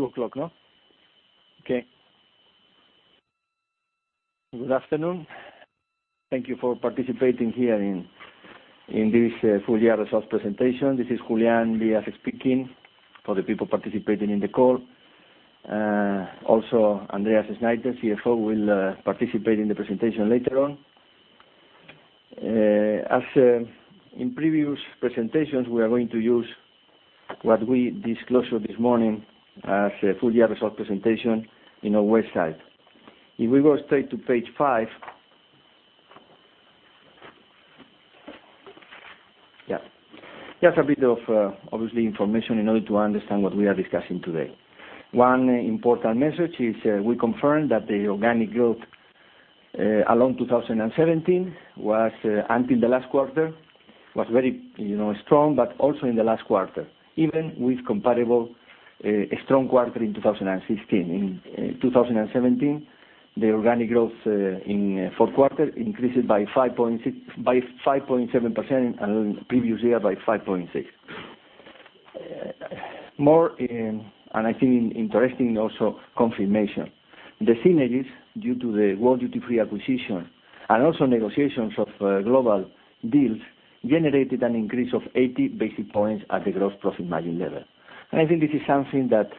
Okay. It's 2 o'clock, no? Okay. Good afternoon. Thank you for participating here in this full year results presentation. This is Julián Díaz speaking, for the people participating in the call. Also, Andreas Schneiter, CFO, will participate in the presentation later on. As in previous presentations, we are going to use what we disclosed this morning as a full year result presentation in our website. If we go straight to page five. Just a bit of information in order to understand what we are discussing today. One important message is we confirm that the organic growth along 2017, until the last quarter, was very strong, but also in the last quarter, even with comparable strong quarter in 2016. In 2017, the organic growth in fourth quarter increased by 5.7%, and previous year by 5.6%. More, I think interesting also, confirmation. The synergies due to the World Duty Free acquisition, and also negotiations of global deals, generated an increase of 80 basis points at the gross profit margin level. I think this is something that,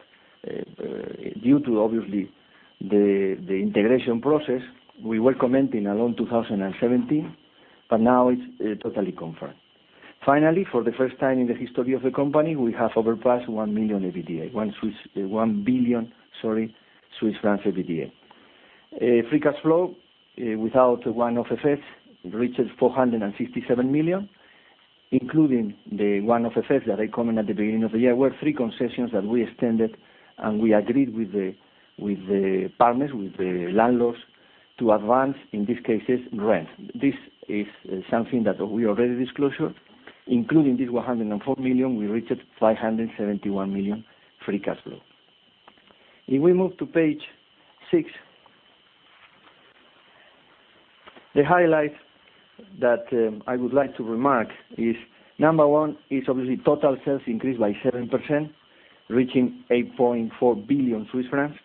due to obviously the integration process, we were commenting along 2017, but now it's totally confirmed. Finally, for the first time in the history of the company, we have overpassed 1 million EBITDA. 1 billion, sorry, Swiss francs EBITDA. Free cash flow, without one-off effects, reaches 457 million, including the one-off effects that I commented at the beginning of the year, were three concessions that we extended and we agreed with the partners, with the landlords, to advance, in these cases, rent. This is something that we already disclosed. Including this 104 million, we reached 571 million free cash flow. If we move to page six. The highlight that I would like to remark is, number 1 is obviously total sales increased by 7%, reaching 8.4 billion Swiss francs.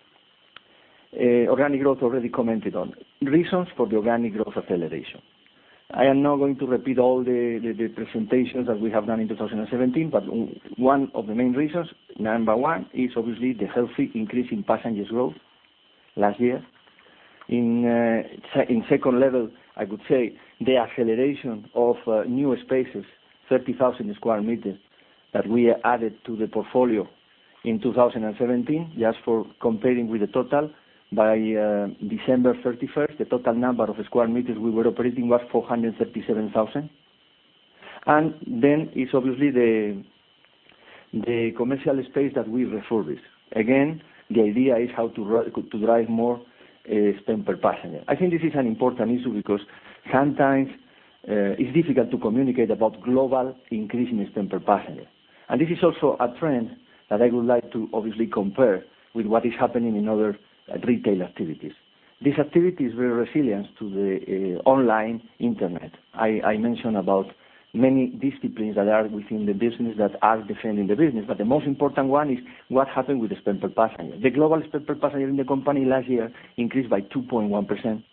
Organic growth already commented on. Reasons for the organic growth acceleration. I am not going to repeat all the presentations that we have done in 2017, but one of the main reasons, number 1, is obviously the healthy increase in passengers growth last year. In second level, I would say the acceleration of new spaces, 30,000 sq m that we added to the portfolio in 2017. Just for comparing with the total, by December 31st, the total number of sq m we were operating was 437,000. It's obviously the commercial space that we refurbished. Again, the idea is how to drive more spend per passenger. I think this is an important issue because sometimes it's difficult to communicate about global increase in spend per passenger. This is also a trend that I would like to obviously compare with what is happening in other retail activities. This activity is very resilient to the online internet. I mentioned about many disciplines that are within the business that are defending the business, but the most important one is what happened with the spend per passenger. The global spend per passenger in the company last year increased by 2.1%.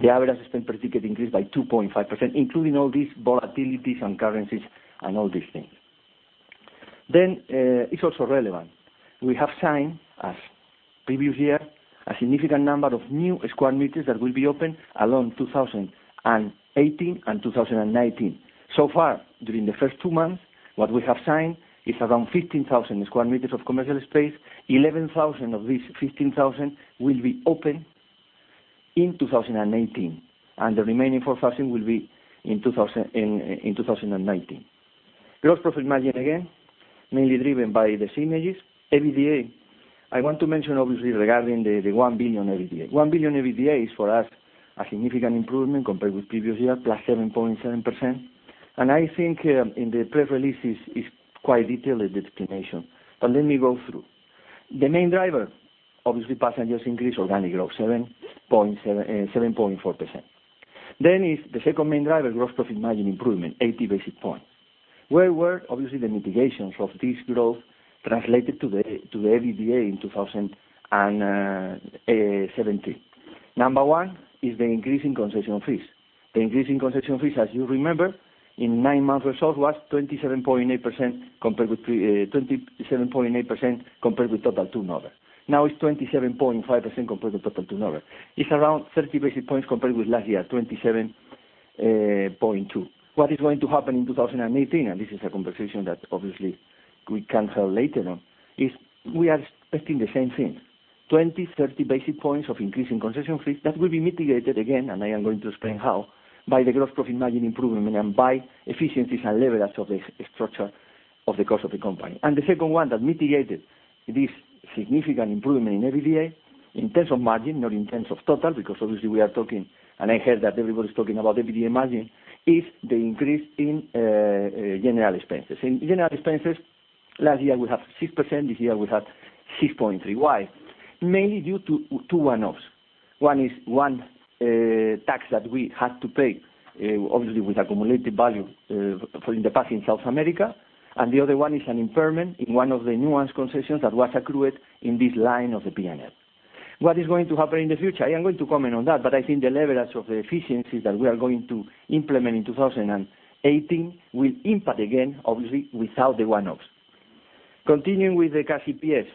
The average spend per ticket increased by 2.5%, including all these volatilities and currencies and all these things. It's also relevant. We have signed, as previous year, a significant number of new sq m that will be open along 2018 and 2019. So far, during the first two months, what we have signed is around 15,000 sq m of commercial space. 11,000 of these 15,000 will be open in 2018, and the remaining 4,000 will be in 2019. Gross profit margin, again, mainly driven by the synergies. EBITDA, I want to mention, obviously, regarding the 1 billion EBITDA. 1 billion EBITDA is, for us, a significant improvement compared with previous year, +7.7%. I think in the press release it's quite detailed, the explanation. Let me go through. The main driver, obviously passengers increase, organic growth, 7.4%. The second main driver, gross profit margin improvement, 80 basis points. Where were, obviously, the mitigations of this growth translated to the EBITDA in 2017? Number 1 is the increase in concession fees. The increase in concession fees, as you remember, in nine months results was 27.8% compared with total turnover. Now it's 27.5% compared with total turnover. It's around 30 basis points compared with last year at 27.2%. What is going to happen in 2018, this is a conversation that obviously we can have later on, is we are expecting the same thing. 20-30 basis points of increase in concession fees that will be mitigated again, I am going to explain how, by the gross profit margin improvement and by efficiencies and leverage of the structure of the cost of the company. The second one that mitigated this significant improvement in EBITDA, in terms of margin, not in terms of total, because obviously we are talking, I heard that everybody's talking about EBITDA margin, is the increase in general expenses. In general expenses, last year we had 6%, this year we had 6.3%. Why? Mainly due to two one-offs. One is one tax that we had to pay, obviously with accumulated value for in the past in South America. The other one is an impairment in one of the Nuance concessions that was accrued in this line of the P&L. What is going to happen in the future? I am going to comment on that, I think the leverage of the efficiencies that we are going to implement in 2018 will impact again, obviously, without the one-offs. Continuing with the EPS.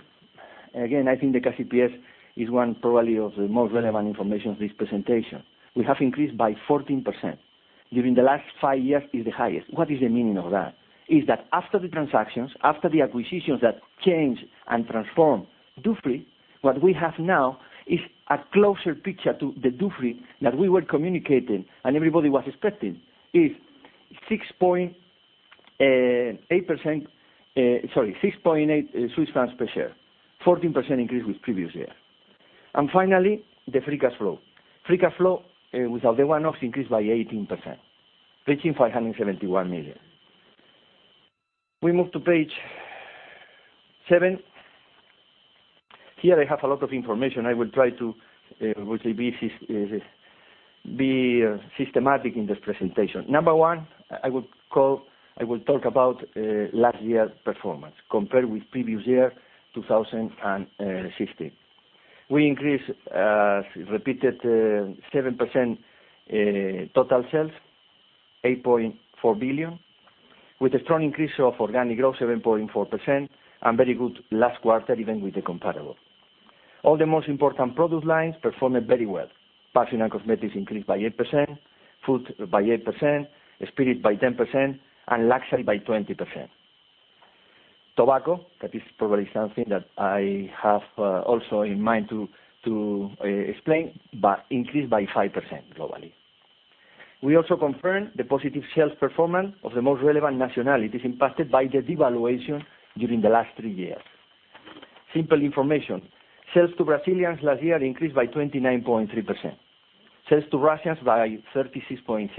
Again, I think the EPS is one probably of the most relevant information of this presentation. We have increased by 14%. During the last five years is the highest. What is the meaning of that? Is that after the transactions, after the acquisitions that change and transform Dufry, what we have now is a closer picture to the Dufry that we were communicating and everybody was expecting, is 6.8 per share, 14% increase with previous year. Finally, the free cash flow. Free cash flow, without the one-offs, increased by 18%, reaching 571 million. We move to page seven. Here I have a lot of information. I will try to be systematic in this presentation. Number 1, I will talk about last year's performance compared with previous year 2016. We increased, as repeated, 7% total sales, 8.4 billion, with a strong increase of organic growth, 7.4%, very good last quarter, even with the comparable. All the most important product lines performed very well. Perfume and cosmetics increased by 8%, food by 8%, spirit by 10%, luxury by 20%. Tobacco, that is probably something that I have also in mind to explain, increased by 5% globally. We also confirmed the positive sales performance of the most relevant nationalities impacted by the devaluation during the last three years. Simple information. Sales to Brazilians last year increased by 29.3%. Sales to Russians by 36.6%.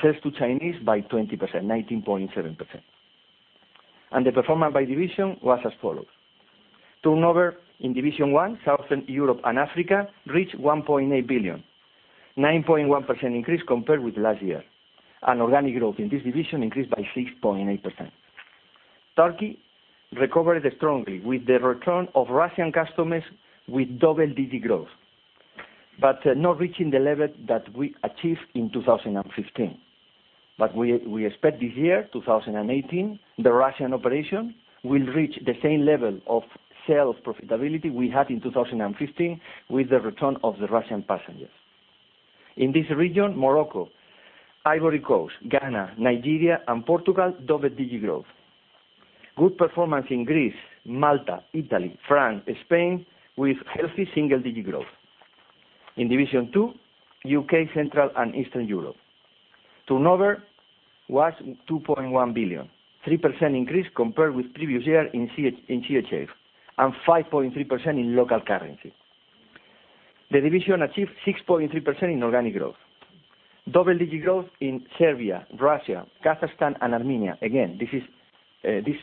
Sales to Chinese by 20%, 19.7%. The performance by division was as follows. Turnover in Division 1, Southern Europe and Africa, reached 1.8 billion, 9.1% increase compared with last year. Organic growth in this division increased by 6.8%. Turkey recovered strongly with the return of Russian customers with double-digit growth, not reaching the level that we achieved in 2015. We expect this year, 2018, the Russian operation will reach the same level of sales profitability we had in 2015 with the return of the Russian passengers. In this region, Morocco, Ivory Coast, Ghana, Nigeria, and Portugal, double-digit growth. Good performance in Greece, Malta, Italy, France, Spain, with healthy single-digit growth. In Division 2, U.K., Central and Eastern Europe. Turnover was 2.1 billion, 3% increase compared with previous year in CHF, and 5.3% in local currency. The division achieved 6.3% in organic growth. Double-digit growth in Serbia, Russia, Kazakhstan, and Armenia. Again, this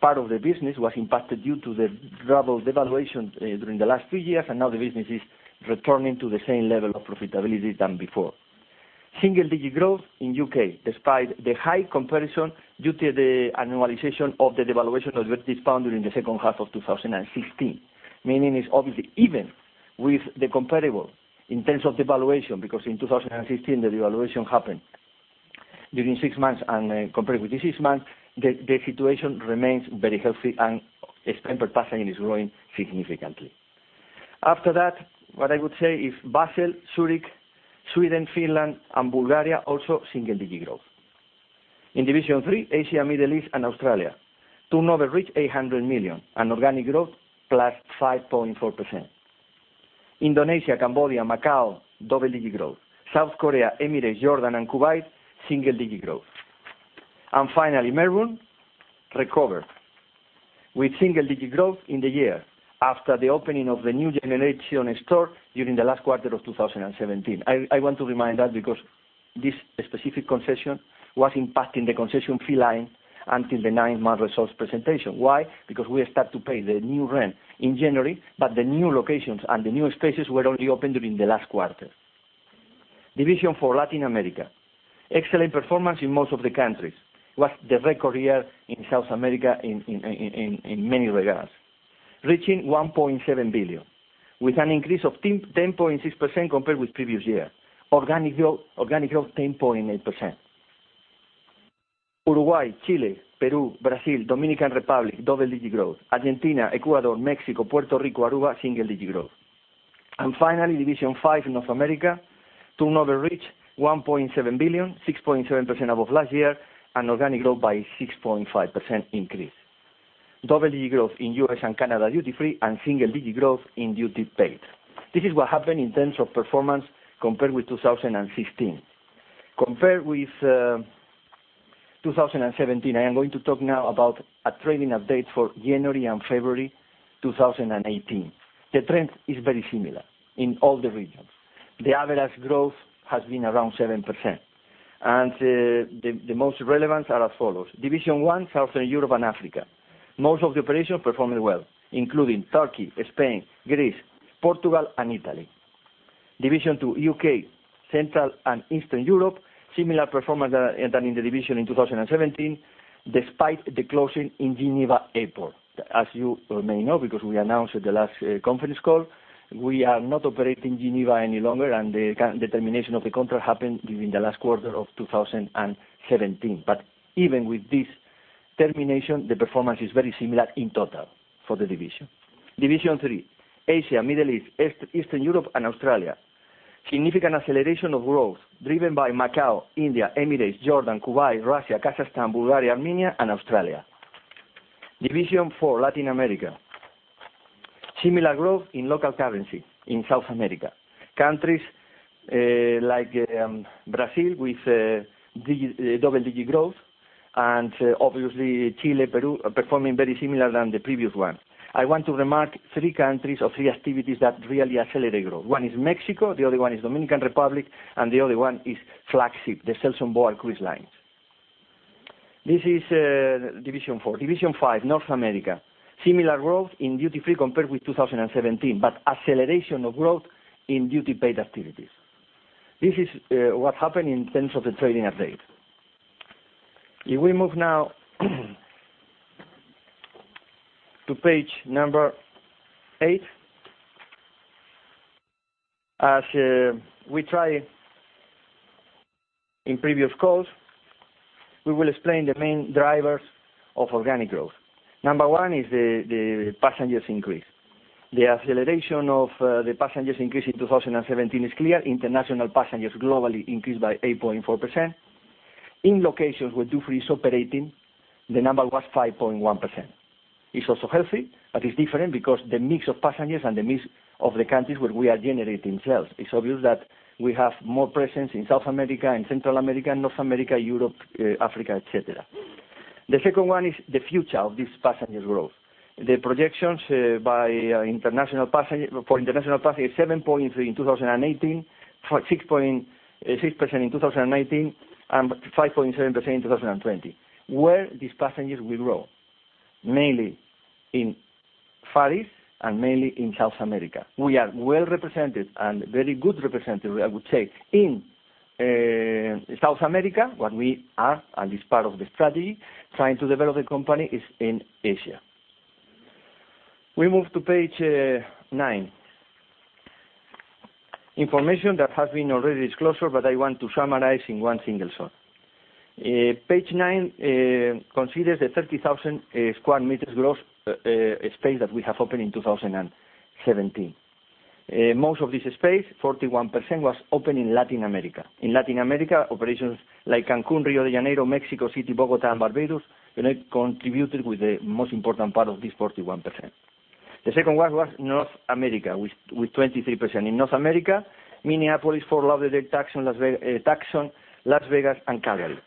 part of the business was impacted due to the ruble devaluation during the last three years, now the business is returning to the same level of profitability than before. Single-digit growth in U.K., despite the high comparison due to the annualization of the devaluation of British pound during the second half of 2016. Meaning it's obviously even with the comparable in terms of devaluation, because in 2016, the devaluation happened during six months and compared with this six months, the situation remains very healthy and spend per passenger is growing significantly. After that, what I would say is Basel, Zurich, Sweden, Finland, and Bulgaria, also single-digit growth. In Division 3, Asia, Middle East, and Australia, turnover reached 800 million and organic growth +5.4%. Indonesia, Cambodia, Macau, double-digit growth. South Korea, Emirates, Jordan, and Kuwait, single-digit growth. Finally, Melbourne recovered with single-digit growth in the year after the opening of the new generation store during the last quarter of 2017. I want to remind that because this specific concession was impacting the concession fee line until the 9-month results presentation. Why? Because we start to pay the new rent in January, but the new locations and the new spaces were only open during the last quarter. Division 4, Latin America. Excellent performance in most of the countries. Was the record year in South America in many regards, reaching 1.7 billion with an increase of 10.6% compared with previous year. Organic growth, 10.8%. Uruguay, Chile, Peru, Brazil, Dominican Republic, double-digit growth. Argentina, Ecuador, Mexico, Puerto Rico, Aruba, single-digit growth. Finally, Division 5, North America, turnover reached 1.7 billion, 6.7% above last year, and organic growth by 6.5% increase. Double-digit growth in U.S. and Canada duty-free and single-digit growth in duty paid. This is what happened in terms of performance compared with 2016. Compared with 2017, I am going to talk now about a trading update for January and February 2018. The trend is very similar in all the regions. The average growth has been around 7%. The most relevant are as follows. Division 1, Southern Europe and Africa. Most of the operations performed well, including Turkey, Spain, Greece, Portugal, and Italy. Division 2, U.K., Central and Eastern Europe, similar performance than in the division in 2017, despite the closing in Geneva Airport. As you may know, because we announced at the last conference call, we are not operating Geneva any longer, and the termination of the contract happened during the last quarter of 2017. Even with this termination, the performance is very similar in total for the division. Division Three, Asia, Middle East, Eastern Europe, and Australia. Significant acceleration of growth driven by Macau, India, Emirates, Jordan, Kuwait, Russia, Kazakhstan, Bulgaria, Armenia, and Australia. Division Four, Latin America. Similar growth in local currency in South America. Countries like Brazil with double-digit growth and obviously Chile, Peru, performing very similar than the previous one. I want to remark three countries or three activities that really accelerate growth. One is Mexico, the other one is Dominican Republic, and the other one is flagship, the Celestyal cruise lines. This is Division Four. Division Five, North America. Similar growth in duty-free compared with 2017, but acceleration of growth in duty paid activities. This is what happened in terms of the trading update. If we move now to page number eight. As we tried in previous calls, we will explain the main drivers of organic growth. Number one is the passengers increase. The acceleration of the passengers increase in 2017 is clear. International passengers globally increased by 8.4%. In locations where duty-free is operating, the number was 5.1%. It's also healthy, but it's different because the mix of passengers and the mix of the countries where we are generating sales, it's obvious that we have more presence in South America, in Central America, North America, Europe, Africa, et cetera. The second one is the future of this passenger growth. The projections for international passengers, 7.3% in 2018, 6% in 2019, and 5.7% in 2020. Where these passengers will grow? Mainly in Far East and mainly in South America. We are well-represented and very good represented, I would say, in South America. What we are, and is part of the strategy, trying to develop the company is in Asia. We move to page nine. Information that has been already disclosed, but I want to summarize in one single shot. Page nine considers the 30,000 sq m growth space that we have opened in 2017. Most of this space, 41%, was opened in Latin America. In Latin America, operations like Cancún, Rio de Janeiro, Mexico City, Bogotá, and Barbados, contributed with the most important part of this 41%. The second one was North America, with 23%. In North America, Minneapolis, Fort Lauderdale, Tucson, Las Vegas, and Calgary.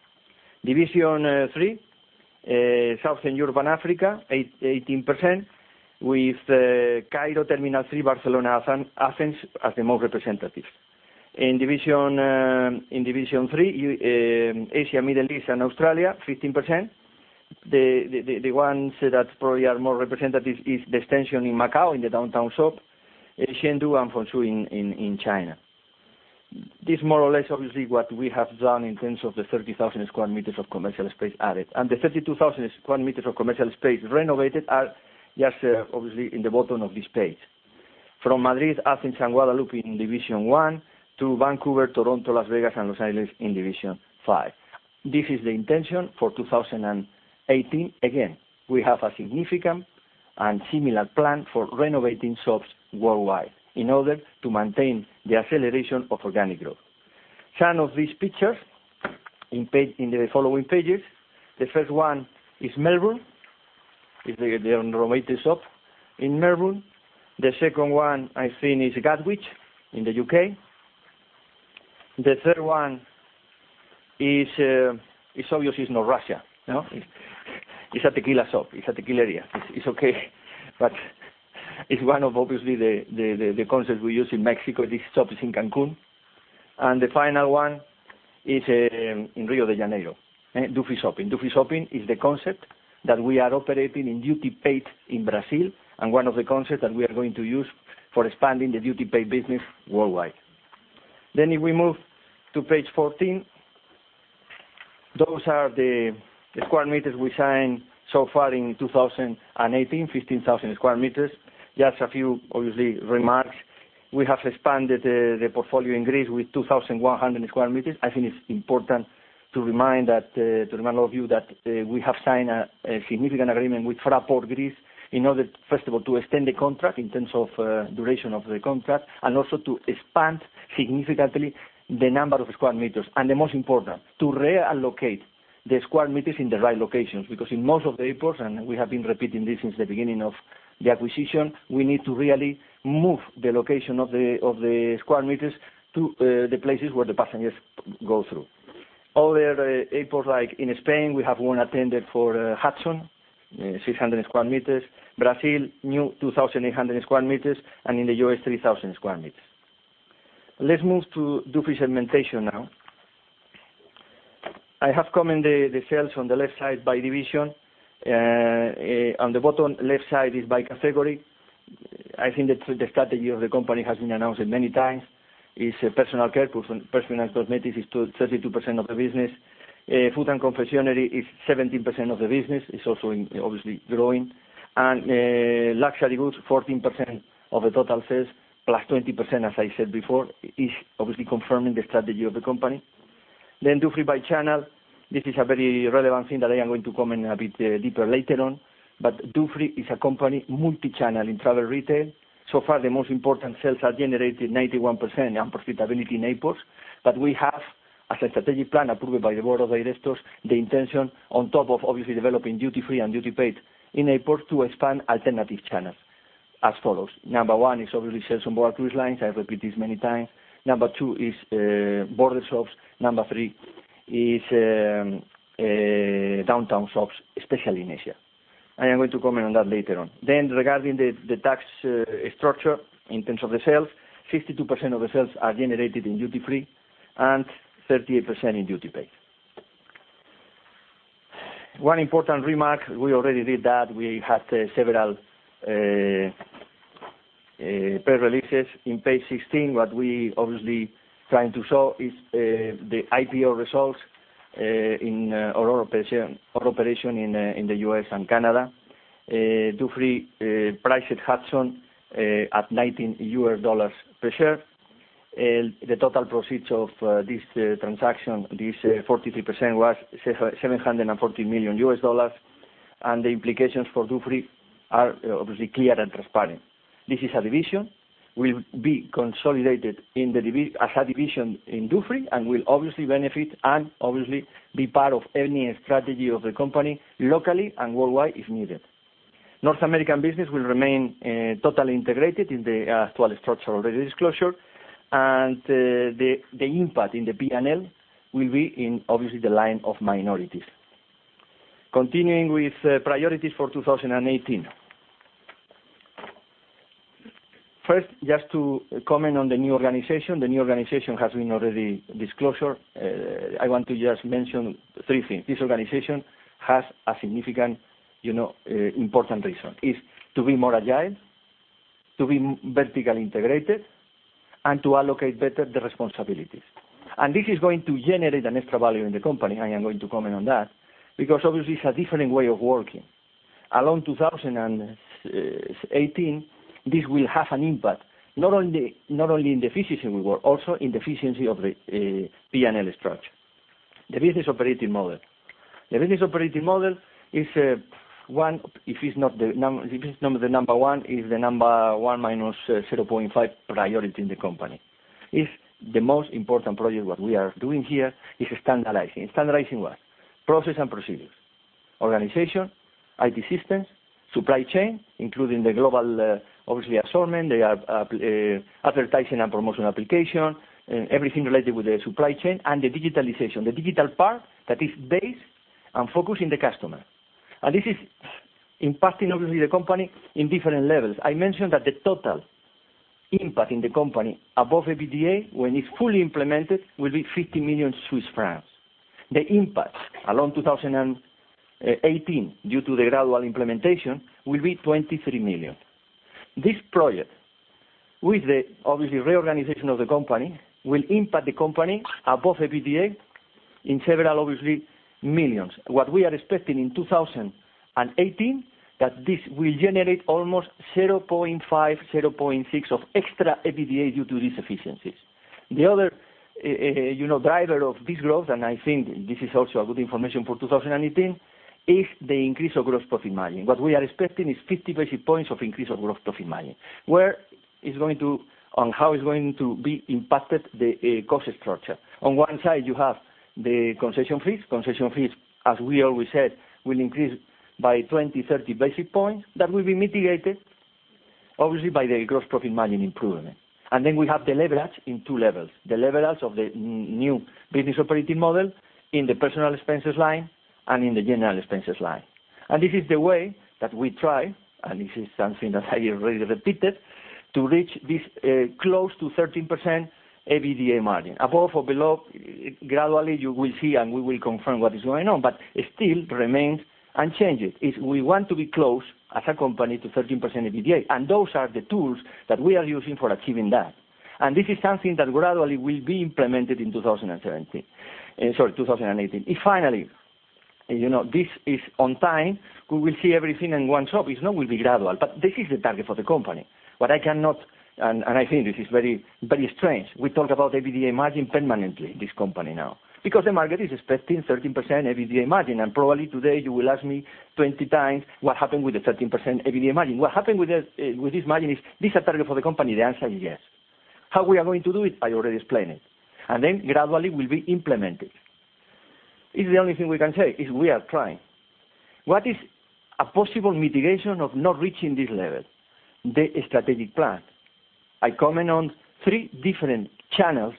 Division Three, Southern Europe and Africa, 18%, with Cairo Terminal 3, Barcelona, Athens as the most representative. In Division Three, Asia, Middle East, and Australia, 15%. The ones that probably are more representative is the extension in Macau in the Downtown Shop, Chengdu and Fuzhou in China. This is more or less obviously what we have done in terms of the 30,000 sq m of commercial space added. The 32,000 sq m of commercial space renovated are just obviously in the bottom of this page. From Madrid, Athens, and Guadeloupe in Division One to Vancouver, Toronto, Las Vegas, and Los Angeles in Division Five. This is the intention for 2018. Again, we have a significant and similar plan for renovating shops worldwide in order to maintain the acceleration of organic growth. Some of these pictures in the following pages. The first one is Melbourne, is the renovated shop in Melbourne. The second one I think is Gatwick in the U.K. The third one is obvious it's not Russia. It's a tequila shop. It's a tequila area. It's okay, but it's one of, obviously, the concepts we use in Mexico. This shop is in Cancún. The final one is in Rio de Janeiro, Dufry Shopping. Dufry Shopping is the concept that we are operating in duty paid in Brazil and one of the concepts that we are going to use for expanding the duty paid business worldwide. If we move to page 14, those are the square meters we signed so far in 2018, 15,000 square meters. Just a few, obviously, remarks. We have expanded the portfolio in Greece with 2,100 square meters. I think it's important to remind all of you that we have signed a significant agreement with Fraport Greece in order, first of all, to extend the contract in terms of duration of the contract, also to expand significantly the number of square meters. The most important, to reallocate the square meters in the right locations, because in most of the airports, and we have been repeating this since the beginning of the acquisition, we need to really move the location of the square meters to the places where the passengers go through. Other airports, like in Spain, we have one attended for Hudson, 600 square meters. Brazil, new 2,800 square meters, in the U.S., 3,000 square meters. Let's move to Dufry segmentation now. I have commented the sales on the left side by division. On the bottom left side is by category. I think the strategy of the company has been announced many times. It's personal care. Personal cosmetics is 32% of the business. Food and confectionery is 17% of the business. It's also obviously growing. Luxury goods, 14% of the total sales, plus 20%, as I said before, is obviously confirming the strategy of the company. Dufry by channel. This is a very relevant thing that I am going to comment a bit deeper later on. Dufry is a company multi-channel in travel retail. So far, the most important sales are generated 91% and profitability in airports. We have, as a strategic plan approved by the board of directors, the intention, on top of obviously developing duty free and duty paid in airports, to expand alternative channels as follows. Number 1 is obviously sales on board cruise lines. I repeat this many times. Number 2 is border shops. Number 3 is, downtown shops, especially in Asia. I am going to comment on that later on. Regarding the tax structure in terms of the sales, 52% of the sales are generated in duty free and 38% in duty paid. One important remark, we already did that, we had several press releases in page 16, what we obviously trying to show is the IPO results in our operation in the U.S. and Canada. Dufry priced Hudson at $19 per share. The total proceeds of this transaction, this 43% was $740 million. The implications for Dufry are obviously clear and transparent. This is a division, will be consolidated as a division in Dufry, and will obviously benefit and obviously be part of any strategy of the company, locally and worldwide if needed. North American business will remain totally integrated in the actual structural disclosure. The impact in the P&L will be in, obviously, the line of minorities. Continuing with priorities for 2018. First, just to comment on the new organization. The new organization has been already disclosed. I want to just mention three things. It is to be more agile, to be vertically integrated, and to allocate better the responsibilities. This is going to generate an extra value in the company. I am going to comment on that, because obviously it's a different way of working. Along 2018, this will have an impact, not only in the efficiency we work, also in the efficiency of the P&L structure. The business operating model. The business operating model is, if it's not the number one, is the number one minus 0.5 priority in the company. It's the most important project what we are doing here is standardizing. Standardizing what? Process and procedures, organization, IT systems, supply chain, including the global, obviously, assortment, the advertising and promotion application, everything related with the supply chain and the digitalization. The digital part that is based and focused in the customer. This is impacting, obviously, the company in different levels. I mentioned that the total impact in the company above EBITDA, when it's fully implemented, will be 50 million Swiss francs. The impact along 2018 due to the gradual implementation will be 23 million. This project, with the obviously reorganization of the company, will impact the company above EBITDA in several, obviously, millions. What we are expecting in 2018, that this will generate almost 0.5%-0.6% of extra EBITDA due to these efficiencies. The other driver of this growth, I think this is also a good information for 2018, is the increase of gross profit margin. What we are expecting is 50 basis points of increase of gross profit margin. Where it's going to and how it's going to be impacted the cost structure. On one side, you have the concession fees. Concession fees, as we always said, will increase by 20-30 basis points. That will be mitigated, obviously, by the gross profit margin improvement. Then we have the leverage in two levels. The leverage of the new business operating model in the personal expenses line and in the general expenses line. This is the way that we try, and this is something that I already repeated, to reach this close to 13% EBITDA margin. Above or below, gradually you will see and we will confirm what is going on, but it still remains unchanged. We want to be close as a company to 13% EBITDA, those are the tools that we are using for achieving that. This is something that gradually will be implemented in 2017, sorry, 2018. Finally, this is on time. We will see everything in one shot. It will be gradual, but this is the target for the company. I think this is very strange. We talk about EBITDA margin permanently, this company now. The market is expecting 13% EBITDA margin, probably today you will ask me 20 times what happened with the 13% EBITDA margin. What happened with this margin is this a target for the company? The answer is yes. How we are going to do it? I already explained it. Then gradually will be implemented. It's the only thing we can say, is we are trying. What is a possible mitigation of not reaching this level? The strategic plan. I comment on three different channels,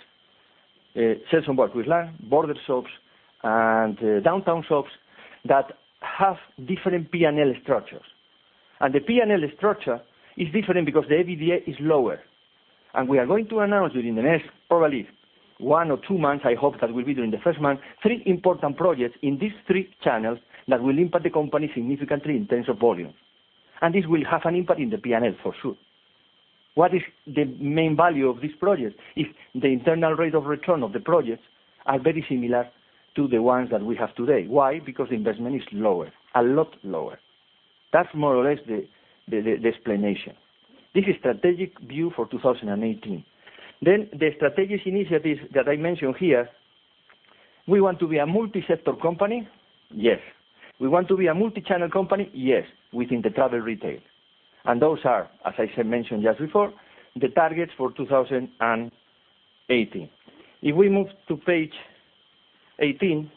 sales on board cruise line, border shops, and downtown shops that have different P&L structures. The P&L structure is different because the EBITDA is lower. We are going to announce during the next, probably one or two months, I hope that will be during the first month, three important projects in these three channels that will impact the company significantly in terms of volume. This will have an impact in the P&L, for sure. What is the main value of this project? If the internal rate of return of the projects are very similar to the ones that we have today. Why? Because the investment is lower, a lot lower. That's more or less the explanation. This is strategic view for 2018. The strategic initiatives that I mentioned here, we want to be a multi-sector company. Yes. We want to be a multi-channel company. Yes, within the travel retail. Those are, as I mentioned just before, the targets for 2018. If we move to page 18.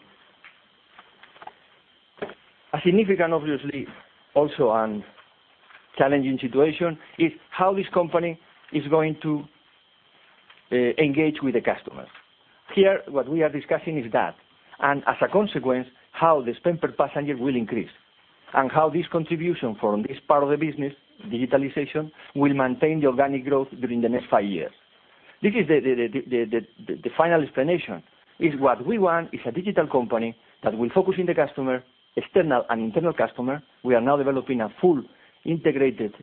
A significant, obviously, also and challenging situation is how this company is going to engage with the customers. Here, what we are discussing is that, as a consequence, how the spend per passenger will increase, and how this contribution from this part of the business, digitalization, will maintain the organic growth during the next five years. This is the final explanation. Is what we want is a digital company that will focus in the customer, external and internal customer. We are now developing a full integrated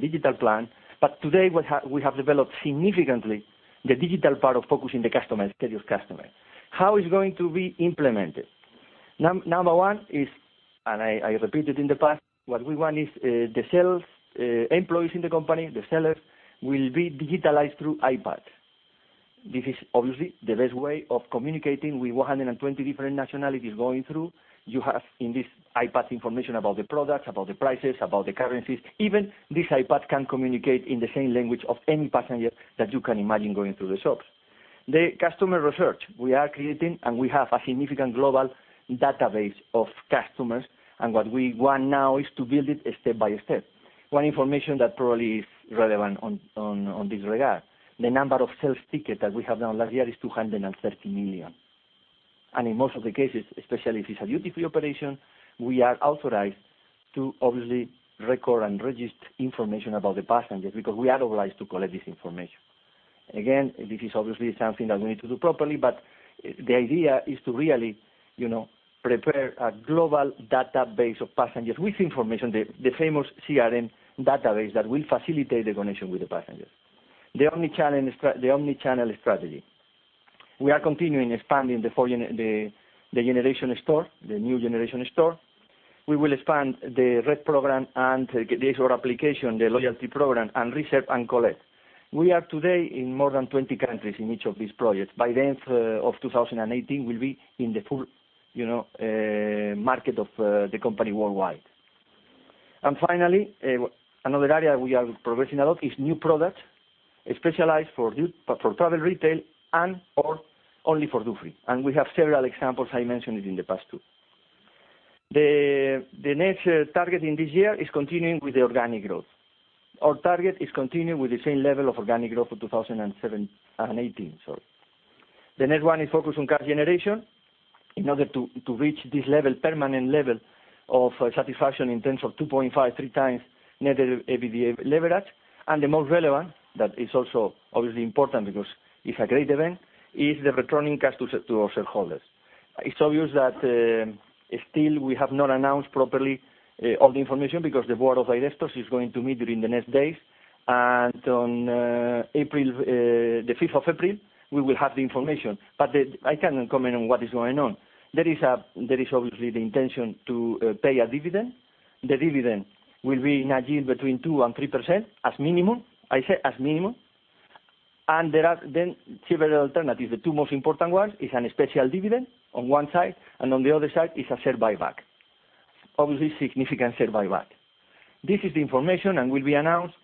digital plan, but today we have developed significantly the digital part of focusing the customers, serious customer. How it's going to be implemented? Number 1 is, and I repeated in the past, what we want is the sales employees in the company, the sellers, will be digitalized through iPad. This is obviously the best way of communicating with 120 different nationalities going through. You have in this iPad information about the products, about the prices, about the currencies. Even this iPad can communicate in the same language of any passenger that you can imagine going through the shops. The customer research we are creating, and we have a significant global database of customers, and what we want now is to build it step by step. One information that probably is relevant on this regard, the number of sales ticket that we have done last year is 230 million. In most of the cases, especially if it's a duty-free operation, we are authorized to obviously record and register information about the passengers because we are authorized to collect this information. Again, this is obviously something that we need to do properly, but the idea is to really prepare a global database of passengers with information, the famous CRM database, that will facilitate the connection with the passengers. The omni-channel strategy. We are continuing expanding the generation store, the new generation store. We will expand the RED program and the AURA application, the loyalty program, and Reserve & Collect. We are today in more than 20 countries in each of these projects. By the end of 2018, we'll be in the full market of the company worldwide. Finally, another area we are progressing a lot is new products, specialized for travel retail and/or only for duty free. We have several examples, I mentioned it in the past, too. The next target in this year is continuing with the organic growth. Our target is continuing with the same level of organic growth for 2018. The next one is focus on cash generation in order to reach this permanent level of satisfaction in terms of 2.5, 3 times net EBITDA leverage. The most relevant, that is also obviously important because it's a great event, is the returning cash to our shareholders. It's obvious that still we have not announced properly all the information because the board of Aena Espacios is going to meet during the next days, and on the 5th of April, we will have the information. I cannot comment on what is going on. There is obviously the intention to pay a dividend. The dividend will be in a yield between 2%-3% as minimum. I say as minimum. There are then several alternatives. The two most important ones is a special dividend on one side, and on the other side is a share buyback. Obviously, significant share buyback. This is the information and will be announced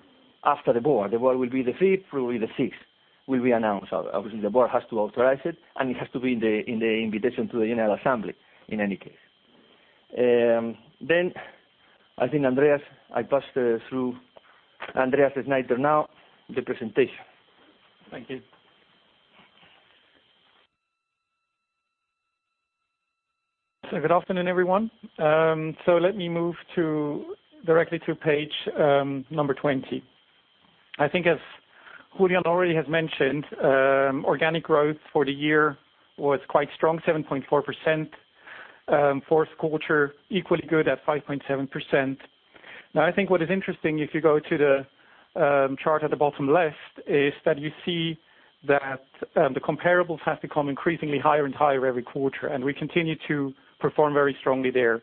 after the board. The board will be the 5th, probably the 6th, will be announced. Obviously, the board has to authorize it, and it has to be in the invitation to the annual assembly in any case. I think, Andreas, I pass through Andreas Schneiter now, the presentation. Thank you. Good afternoon, everyone. Let me move directly to page number 20. I think as Julián already has mentioned, organic growth for the year was quite strong, 7.4%. Fourth quarter, equally good at 5.7%. I think what is interesting, if you go to the chart at the bottom left, is that you see that the comparables have become increasingly higher and higher every quarter, and we continue to perform very strongly there.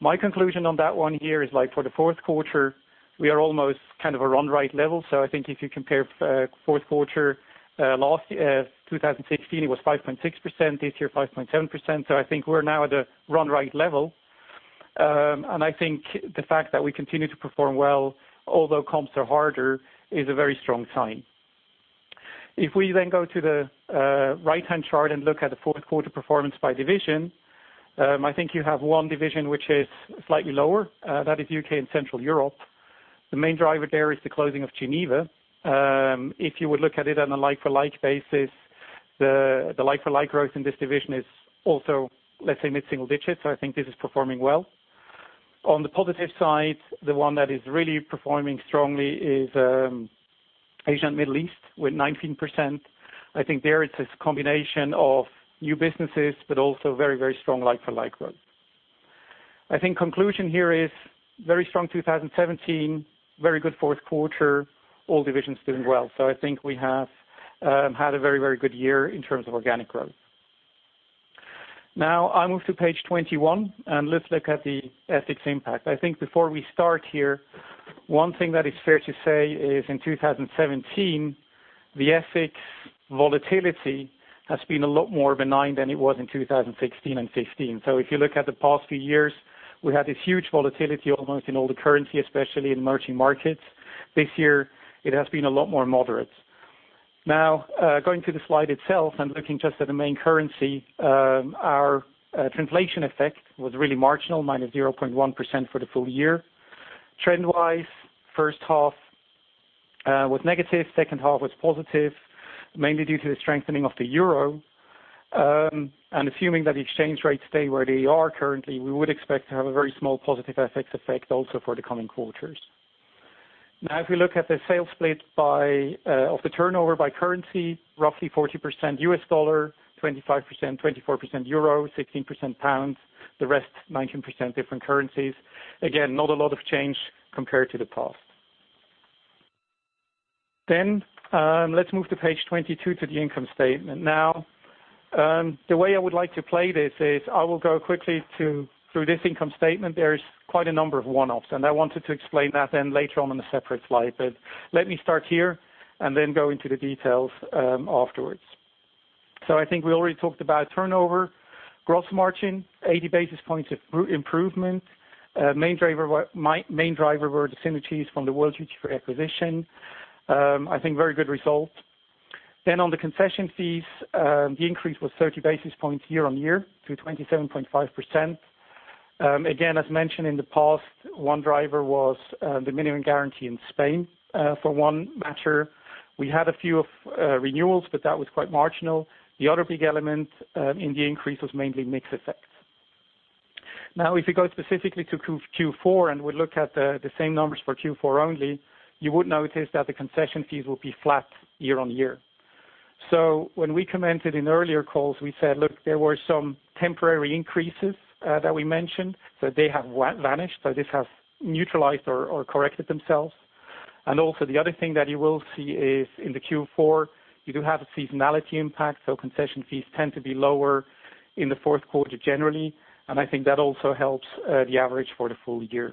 My conclusion on that one here is for the fourth quarter, we are almost kind of a run rate level. I think if you compare fourth quarter 2016, it was 5.6%, this year 5.7%, I think we're now at a run rate level. I think the fact that we continue to perform well, although comps are harder, is a very strong sign. We then go to the right-hand chart and look at the fourth quarter performance by division, I think you have one division which is slightly lower, that is U.K. and Central Europe. The main driver there is the closing of Geneva. If you would look at it on a like-for-like basis, the like-for-like growth in this division is also, let's say, mid single digits. I think this is performing well. On the positive side, the one that is really performing strongly is Asia and Middle East with 19%. I think there it's a combination of new businesses, but also very strong like-for-like growth. I think conclusion here is very strong 2017, very good fourth quarter, all divisions doing well. I think we have had a very good year in terms of organic growth. I move to page 21, let's look at the FX impact. I think before we start here, one thing that is fair to say is in 2017, the FX volatility has been a lot more benign than it was in 2016 and 2015. If you look at the past few years, we had this huge volatility almost in all the currency, especially in emerging markets. This year it has been a lot more moderate. Going to the slide itself and looking just at the main currency, our translation effect was really marginal, minus 0.1% for the full year. Trend wise, first half was negative, second half was positive, mainly due to the strengthening of the EUR. Assuming that the exchange rates stay where they are currently, we would expect to have a very small positive FX effect also for the coming quarters. If we look at the sales split of the turnover by currency, roughly 40% USD, 24% EUR, 16% GBP, the rest, 19% different currencies. Again, not a lot of change compared to the past. Let's move to page 22 to the income statement. The way I would like to play this is I will go quickly through this income statement. There is quite a number of one-offs, and I wanted to explain that later on in a separate slide. Let me start here and then go into the details afterwards. I think we already talked about turnover. Gross margin, 80 basis points of improvement. Main driver were the synergies from the World Duty Free acquisition. I think very good result. On the concession fees, the increase was 30 basis points year-on-year to 27.5%. Again, as mentioned in the past, one driver was the minimum guarantee in Spain. For one matter, we had a few renewals, but that was quite marginal. The other big element in the increase was mainly mix effects. If we go specifically to Q4 and we look at the same numbers for Q4 only, you would notice that the concession fees will be flat year-on-year. When we commented in earlier calls, we said, look, there were some temporary increases that we mentioned. They have vanished. This has neutralized or corrected themselves. Also the other thing that you will see is in the Q4, you do have a seasonality impact. Concession fees tend to be lower in the fourth quarter generally, and I think that also helps the average for the full year.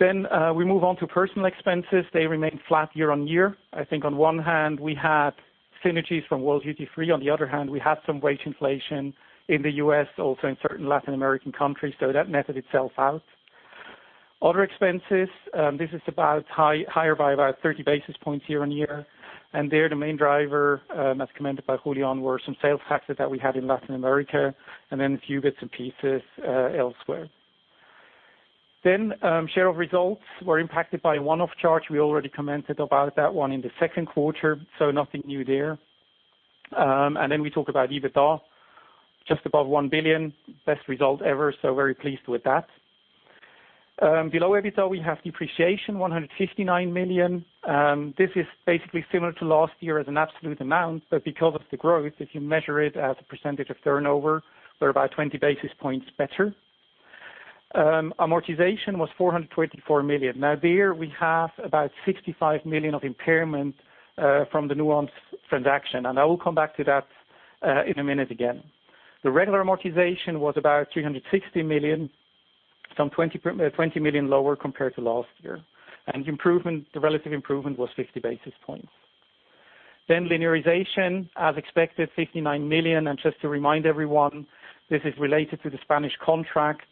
We move on to personal expenses. They remain flat year-on-year. I think on one hand we had synergies from World Duty Free. On the other hand, we had some wage inflation in the U.S., also in certain Latin American countries. That netted itself out. Other expenses, this is about higher by about 30 basis points year-on-year. There the main driver, as commented by Julián, were some sales taxes that we had in Latin America and then a few bits and pieces elsewhere. Share of results were impacted by a one-off charge. We already commented about that one in the second quarter, nothing new there. We talk about EBITDA, just above 1 billion. Best result ever, very pleased with that. Below EBITDA, we have depreciation, 159 million. This is basically similar to last year as an absolute amount, because of the growth, if you measure it as a percentage of turnover, we're about 20 basis points better. Amortization was 424 million. There we have about 65 million of impairment from the Nuance transaction, I will come back to that in a minute again. The regular amortization was about 360 million, some 20 million lower compared to last year. The relative improvement was 50 basis points. Linearization, as expected, 59 million. Just to remind everyone, this is related to the Spanish contract.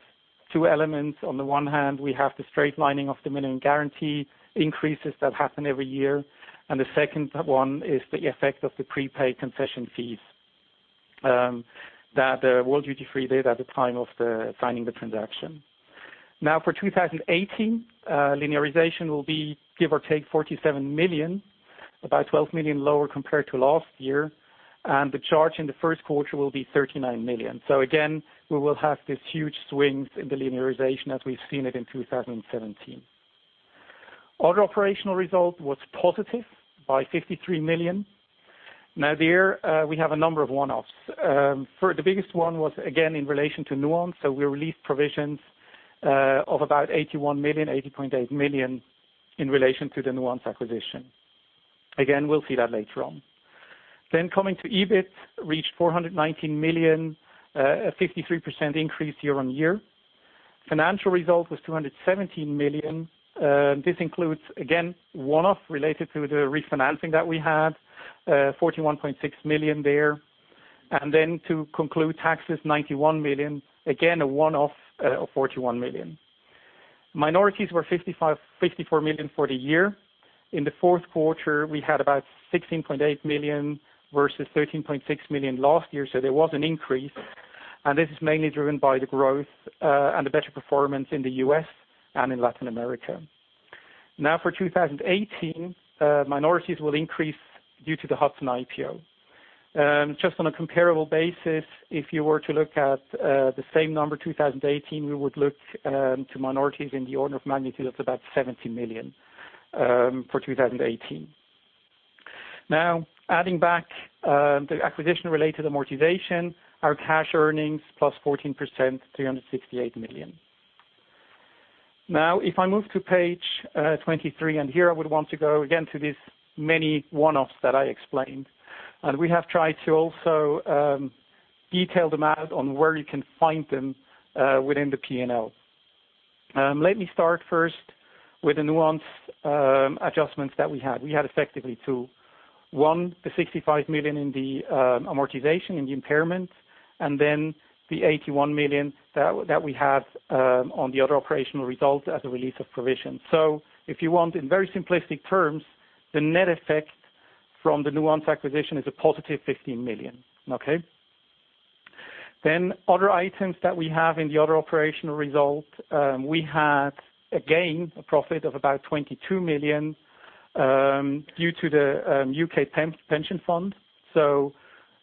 Two elements. On the one hand, we have the straight lining of the minimum guarantee increases that happen every year. The second one is the effect of the prepaid concession fees that World Duty Free did at the time of the signing the transaction. For 2018, linearization will be give or take 47 million, about 12 million lower compared to last year, the charge in the first quarter will be 39 million. We will have these huge swings in the linearization as we've seen it in 2017. Other operational result was positive by 53 million. There we have a number of one-offs. The biggest one was again in relation to Nuance. We released provisions of about 81 million, 80.8 million in relation to the Nuance acquisition. Again, we'll see that later on. Coming to EBIT, reached 419 million, a 53% increase year-on-year. Financial result was 217 million. This includes, again, one-off related to the refinancing that we had, 41.6 million there. To conclude, taxes, 91 million, again, a one-off of 41 million. Minorities were 54 million for the year. In the fourth quarter, we had about 16.8 million versus 13.6 million last year, there was an increase. This is mainly driven by the growth and the better performance in the U.S. and in Latin America. For 2018, minorities will increase due to the Hudson IPO. Just on a comparable basis, if you were to look at the same number 2018, we would look to minorities in the order of magnitude of about 70 million for 2018. Adding back the acquisition-related amortization, our cash earnings +14%, 368 million. If I move to page 23, here I would want to go again to these many one-offs that I explained. We have tried to also detail them out on where you can find them within the P&L. Let me start first with the Nuance adjustments that we had. We had effectively two. One, the 65 million in the amortization and the impairment, the 81 million that we have on the other operational results as a release of provision. If you want, in very simplistic terms, the net effect from the Nuance acquisition is a positive 15 million. Okay? Other items that we have in the other operational result, we had again, a profit of about 22 million, due to the U.K. pension fund.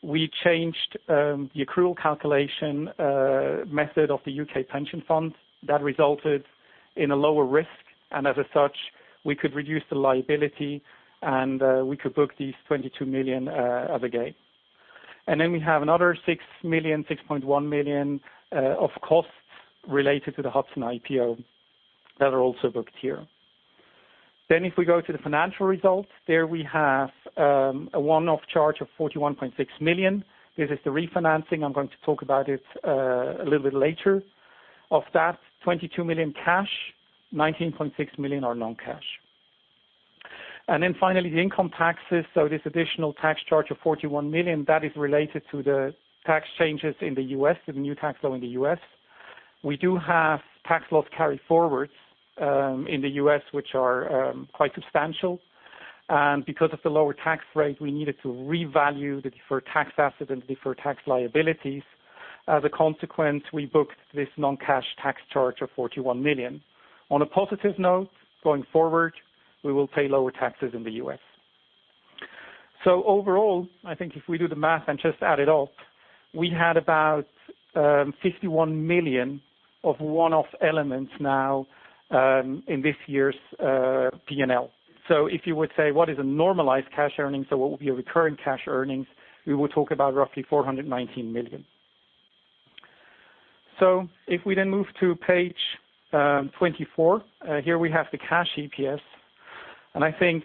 We changed the accrual calculation method of the U.K. pension fund. That resulted in a lower risk, as such, we could reduce the liability we could book these 22 million as a gain. We have another 6.1 million of costs related to the Hudson IPO that are also booked here. If we go to the financial results, there we have a one-off charge of 41.6 million. This is the refinancing. I am going to talk about it a little bit later. Of that, 22 million cash, 19.6 million are non-cash. Finally, the income taxes. This additional tax charge of 41 million, that is related to the tax changes in the U.S., the new tax law in the U.S. We do have tax laws carry forward in the U.S., which are quite substantial. Because of the lower tax rate, we needed to revalue the deferred tax assets and deferred tax liabilities. As a consequence, we booked this non-cash tax charge of 41 million. On a positive note, going forward, we will pay lower taxes in the U.S. Overall, I think if we do the math and just add it all up, we had about 51 million of one-off elements now in this year's P&L. If you would say, what is a normalized cash earnings? What would be a recurring cash earnings? We would talk about roughly 419 million. If we then move to page 24, here we have the cash EPS, I think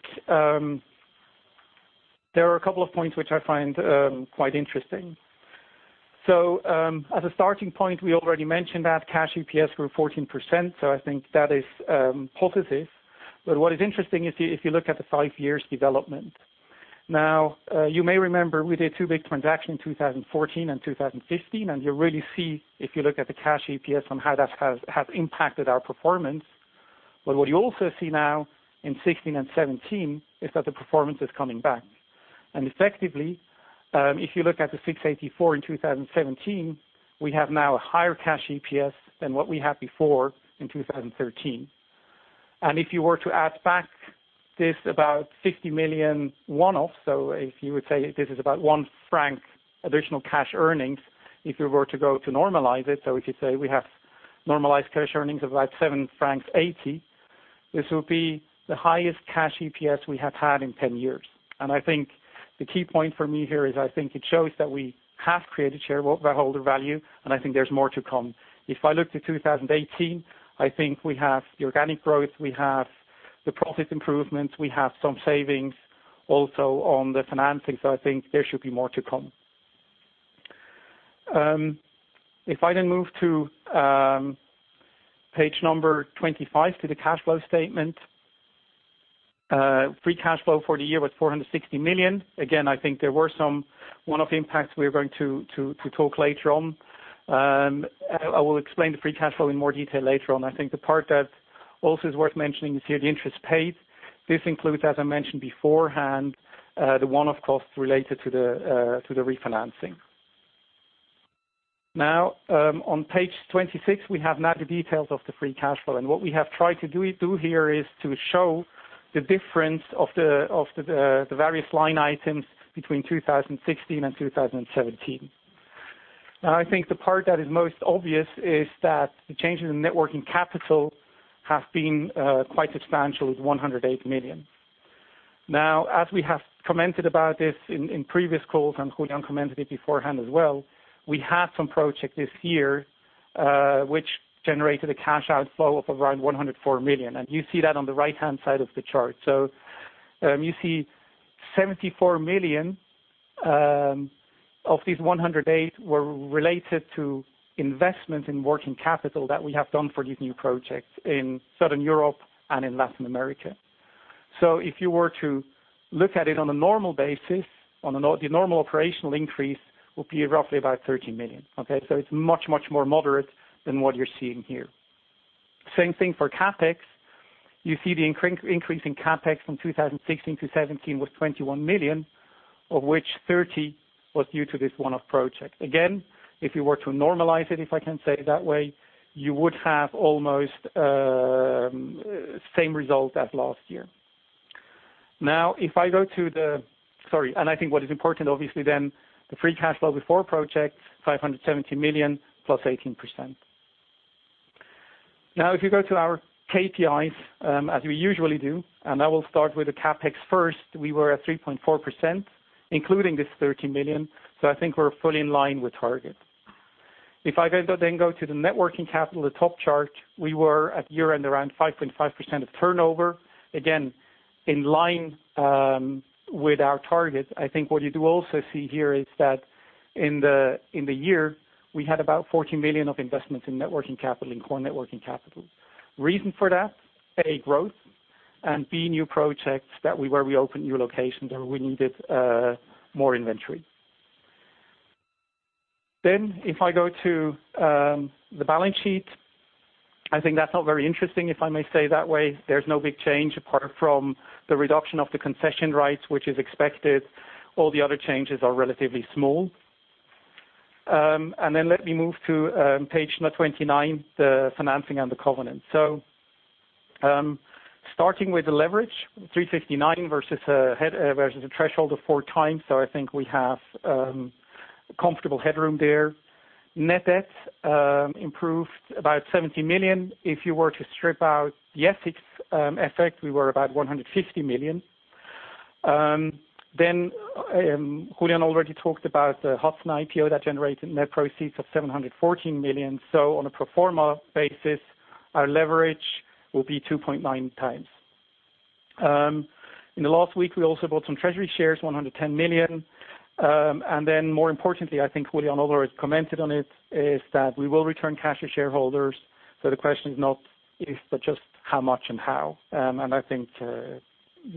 there are a couple of points which I find quite interesting. At a starting point, we already mentioned that cash EPS grew 14%, I think that is positive. What is interesting is if you look at the five-year development. You may remember we did two big transactions in 2014 and 2015, you really see if you look at the cash EPS on how that has impacted our performance. What you also see now in 2016 and 2017 is that the performance is coming back. Effectively, if you look at the 6.84 in 2017, we have now a higher cash EPS than what we had before in 2013. If you were to add back this, about 50 million one-off, if you would say this is about 1 franc additional cash earnings, if you were to go to normalize it, if you say we have normalized cash earnings of about 7.80 francs, this will be the highest cash EPS we have had in 10 years. I think the key point for me here is I think it shows that we have created shareholder value, I think there is more to come. If I look to 2018, I think we have the organic growth, we have the profit improvements, we have some savings also on the financing. I think there should be more to come. If I then move to page number 25, to the cash flow statement. Free cash flow for the year was 460 million. I think there were some one-off impacts we are going to talk later on. I will explain the free cash flow in more detail later on. I think the part that also is worth mentioning is here, the interest paid. This includes, as I mentioned beforehand, the one-off costs related to the refinancing. On page 26, we have now the details of the free cash flow. What we have tried to do here is to show the difference of the various line items between 2016 and 2017. I think the part that is most obvious is that the change in the net working capital has been quite substantial with 108 million. As we have commented about this in previous calls, and Julián commented it beforehand as well, we had some projects this year, which generated a cash outflow of around 104 million, and you see that on the right-hand side of the chart. You see 74 million of these 108 million were related to investment in working capital that we have done for these new projects in Southern Europe and in Latin America. If you were to look at it on a normal basis, the normal operational increase will be roughly about 13 million. Okay? It is much, much more moderate than what you are seeing here. Same thing for CapEx. You see the increase in CapEx from 2016 to 2017 was 21 million, of which 30 million was due to this one-off project. Again, if you were to normalize it, if I can say it that way, you would have almost same result as last year. Sorry. I think what is important, obviously, the free cash flow before project, 570 million plus 18%. If you go to our KPIs, as we usually do, I will start with the CapEx first, we were at 3.4%, including this 30 million. I think we are fully in line with target. If I go to the net working capital, the top chart, we were at year-end, around 5.5% of turnover, again, in line with our target. I think what you do also see here is that in the year, we had about 14 million of investments in core net working capital. Reason for that, A, growth, and B, new projects where we opened new locations or we needed more inventory. If I go to the balance sheet, I think that is not very interesting, if I may say it that way. There is no big change apart from the reduction of the concession rights, which is expected. All the other changes are relatively small. Let me move to page 29, the financing and the covenant. Starting with the leverage, 359 versus the threshold of four times, I think we have comfortable headroom there. Net debt improved about 70 million. If you were to strip out the FX effect, we were about 150 million. Julián already talked about the Hudson IPO that generated net proceeds of 714 million. On a pro forma basis, our leverage will be 2.9 times. In the last week, we also bought some Treasury shares, 110 million. More importantly, I think Julián already commented on it, is that we will return cash to shareholders. The question is not if, but just how much and how. I think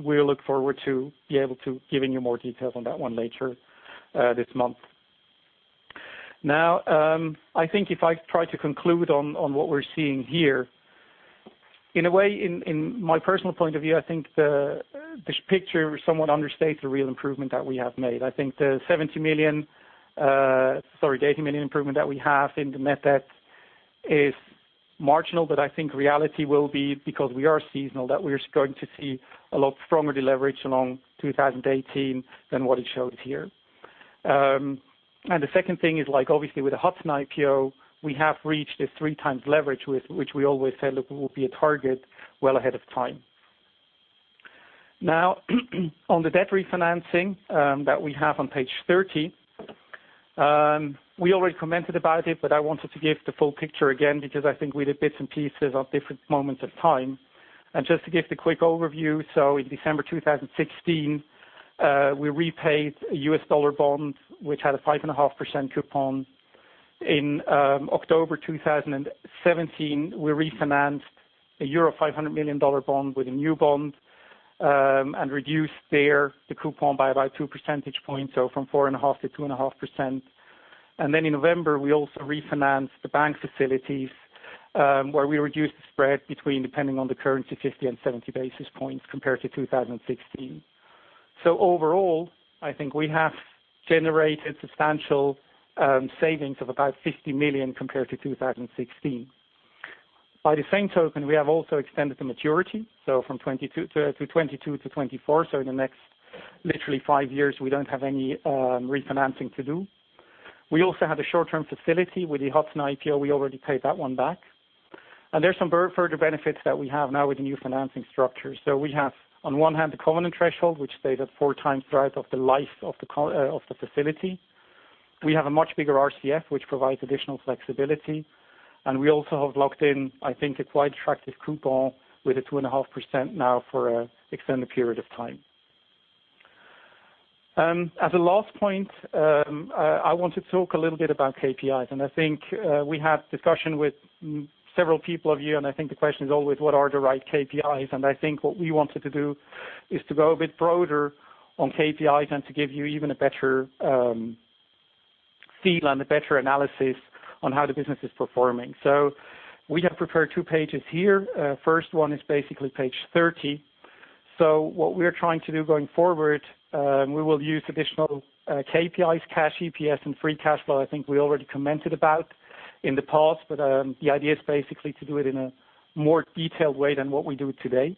we look forward to be able to giving you more details on that one later this month. I think if I try to conclude on what we are seeing here, in a way, in my personal point of view, I think this picture somewhat understates the real improvement that we have made. I think the 80 million improvement that we have in the net debt is marginal, but I think reality will be, because we are seasonal, that we are going to see a lot stronger leverage along 2018 than what it shows here. The second thing is obviously with the Hudson IPO, we have reached the 3 times leverage, which we always said it will be a target well ahead of time. On the debt refinancing that we have on page 30. We already commented about it, but I wanted to give the full picture again, because I think we did bits and pieces at different moments of time. Just to give the quick overview, in December 2016, we repaid a USD bond, which had a 5.5% coupon. In October 2017, we refinanced a euro 500 million bond with a new bond, and reduced there the coupon by about 2 percentage points, so from 4.5%-2.5%. In November, we also refinanced the bank facilities, where we reduced the spread between, depending on the currency, 50 and 70 basis points compared to 2016. Overall, I think we have generated substantial savings of about 50 million compared to 2016. By the same token, we have also extended the maturity, so from 2022 to 2024. In the next literally 5 years, we don't have any refinancing to do. We also had a short-term facility with the Hudson IPO. We already paid that one back. There's some further benefits that we have now with the new financing structure. We have, on one hand, the covenant threshold, which stays at 4 times throughout of the life of the facility. We have a much bigger RCF, which provides additional flexibility. We also have locked in, I think, a quite attractive coupon with a 2.5% now for an extended period of time. As a last point, I want to talk a little bit about KPIs, and I think we have discussion with several people of you, and I think the question is always what are the right KPIs? I think what we wanted to do is to go a bit broader on KPIs and to give you even a better feel and a better analysis on how the business is performing. We have prepared two pages here. First one is basically page 30. What we're trying to do going forward, we will use additional KPIs, cash EPS, and free cash flow. I think we already commented about in the past, but the idea is basically to do it in a more detailed way than what we do today.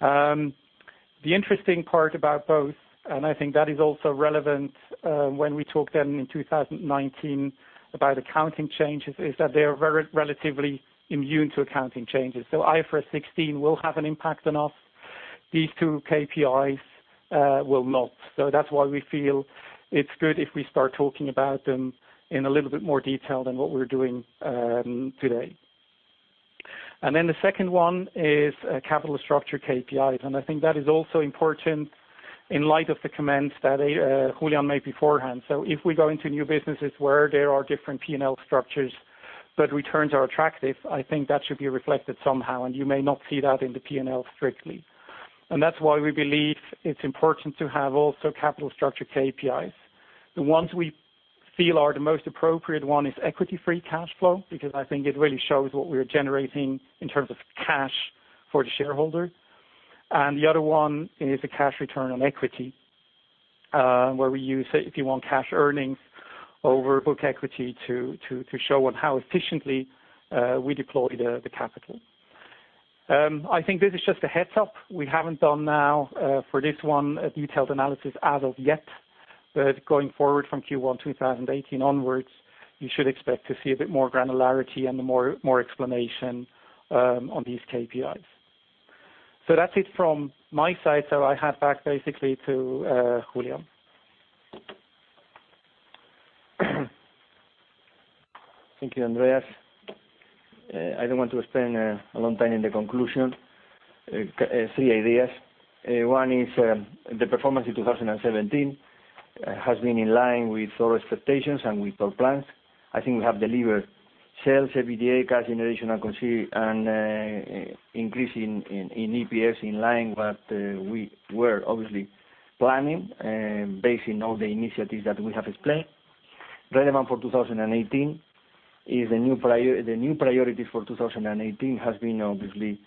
The interesting part about both, and I think that is also relevant when we talk then in 2019 about accounting changes, is that they are relatively immune to accounting changes. IFRS 16 will have an impact on us. These two KPIs will not. That's why we feel it's good if we start talking about them in a little bit more detail than what we're doing today. The second one is capital structure KPIs, and I think that is also important in light of the comments that Julián made beforehand. If we go into new businesses where there are different P&L structures. Returns are attractive. I think that should be reflected somehow, and you may not see that in the P&L strictly. That's why we believe it's important to have also capital structure KPIs. The ones we feel are the most appropriate one is equity-free cash flow, because I think it really shows what we're generating in terms of cash for the shareholder. The other one is the cash return on equity, where we use, if you want cash earnings over book equity to show on how efficiently we deploy the capital. I think this is just a heads-up. We haven't done now for this one a detailed analysis as of yet, but going forward from Q1 2018 onwards, you should expect to see a bit more granularity and more explanation on these KPIs. That's it from my side. I hand back basically to Julio. Thank you, Andreas. I don't want to spend a long time in the conclusion. Three ideas. One is the performance in 2017 has been in line with our expectations and with our plans. I think we have delivered sales, EBITDA, cash generation, and increase in EPS in line what we were obviously planning, based in all the initiatives that we have explained. Relevant for 2018 is the new priorities for 2018 have been already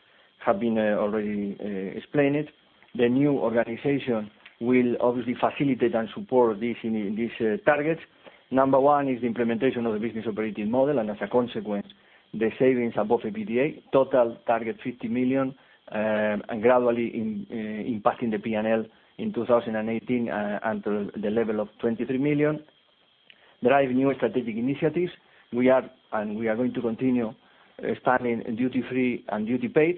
explained. The new organization will obviously facilitate and support these targets. Number one is the implementation of the business operating model, and as a consequence, the savings above EBITDA, total target, 50 million, and gradually impacting the P&L in 2018 until the level of 23 million. Drive new strategic initiatives. We are going to continue expanding duty free and duty paid,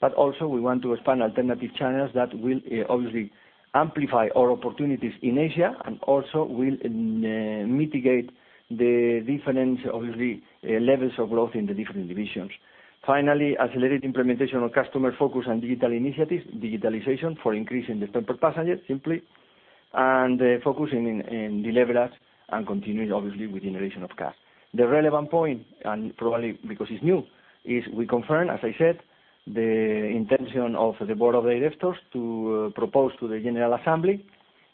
but also we want to expand alternative channels that will obviously amplify our opportunities in Asia and also will mitigate the difference, obviously, levels of growth in the different divisions. Finally, accelerated implementation of customer focus and digital initiatives, digitalization for increase in the per passenger, simply. Focusing in leverage and continuing obviously with generation of cash. The relevant point, and probably because it's new, is we confirm, as I said, the intention of the board of directors to propose to the general assembly,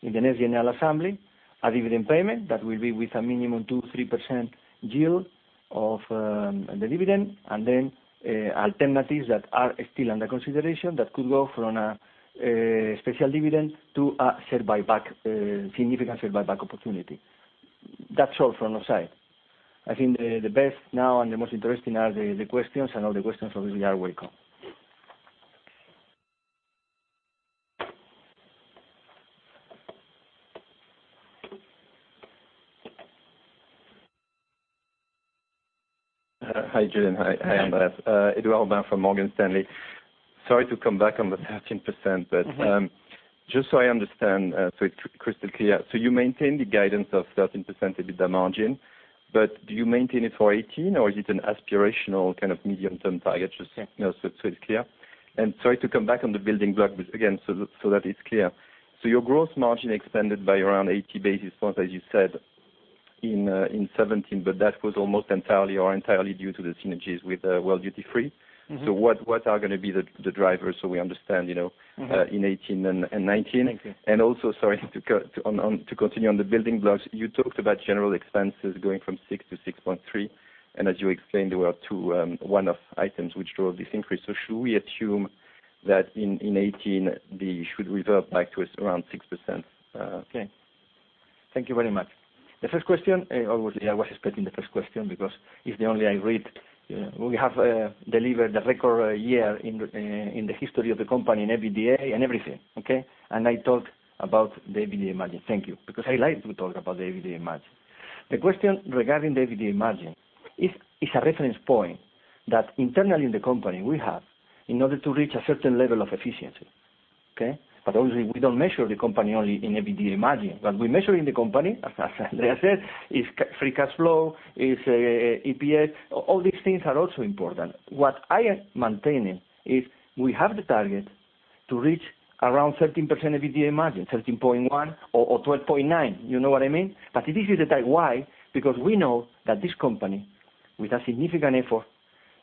in the next general assembly, a dividend payment that will be with a minimum 2%-3% yield of the dividend, and then alternatives that are still under consideration that could go from a special dividend to a significant share buyback opportunity. That's all from our side. I think the best now and the most interesting are the questions. All the questions obviously are welcome. Hi, Julián. Hi, Andreas. Hi. Edouard Baud from Morgan Stanley. Sorry to come back on the 13%, but just so I understand, it's crystal clear. You maintain the guidance of 13% EBITDA margin, but do you maintain it for 2018, or is it an aspirational kind of medium-term target? Just so it's clear. Sorry to come back on the building blocks again, so that it's clear. Your growth margin expanded by around 80 basis points, as you said, in 2017, but that was almost entirely or entirely due to the synergies with World Duty Free. What are going to be the drivers, so we understand in 2018 and 2019? Thank you. Also, sorry, to continue on the building blocks, you talked about general expenses going from six to 6.3, and as you explained, there were one-off items which drove this increase. Should we assume that in 2018, they should revert back to around 6%? Okay. Thank you very much. The first question, obviously, I was expecting the first question because it's the only I read. We have delivered a record year in the history of the company in EBITDA and everything, okay? I talk about the EBITDA margin, thank you, because I like to talk about the EBITDA margin. The question regarding the EBITDA margin is a reference point that internally in the company we have in order to reach a certain level of efficiency. Okay? Obviously, we don't measure the company only in EBITDA margin. What we measure in the company, as Andreas said, is free cash flow, is EPS. All these things are also important. What I am maintaining is we have the target to reach around 13% EBITDA margin, 13.1 or 12.9. You know what I mean? This is the type. Why? We know that this company, with a significant effort,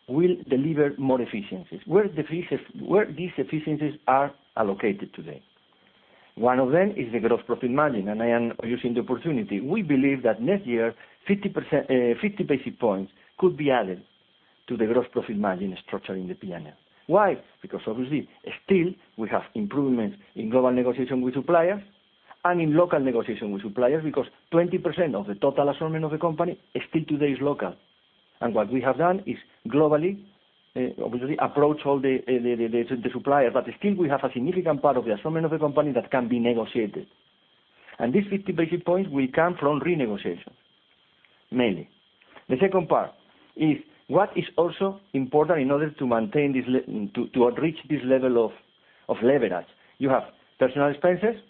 will deliver more efficiencies. Where these efficiencies are allocated today? One of them is the gross profit margin. I am using the opportunity. We believe that next year, 50 basis points could be added to the gross profit margin structure in the P&L. Why? Obviously, still, we have improvements in global negotiation with suppliers and in local negotiation with suppliers because 20% of the total assortment of the company still today is local. What we have done is globally, obviously, approach all the suppliers. Still, we have a significant part of the assortment of the company that can be negotiated. These 50 basis points will come from renegotiation, mainly. The second part is what is also important in order to reach this level of leverage. You have personal expenses,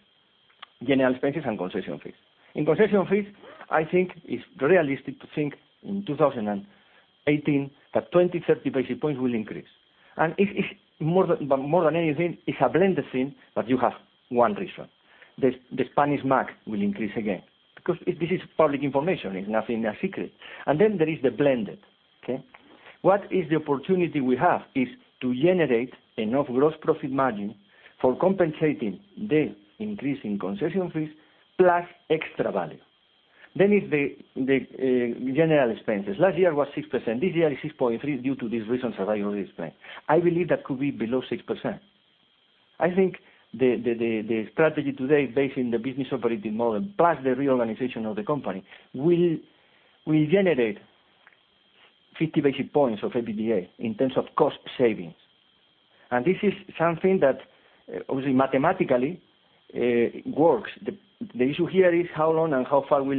general expenses, and concession fees. In concession fees, I think it's realistic to think in 2018 that 20, 30 basis points will increase. More than anything, it's a blended thing, but you have one reason. The Spanish MAG will increase again, because this is public information. It's nothing a secret. There is the blended. Okay? What is the opportunity we have is to generate enough gross profit margin for compensating the increase in concession fees plus extra value. It's the general expenses. Last year was 6%. This year is 6.3 due to these reasons that I already explained. I believe that could be below 6%. I think the strategy today based in the business operating model plus the reorganization of the company will generate 50 basis points of EBITDA in terms of cost savings. This is something that obviously mathematically works. The issue here is how long and how far will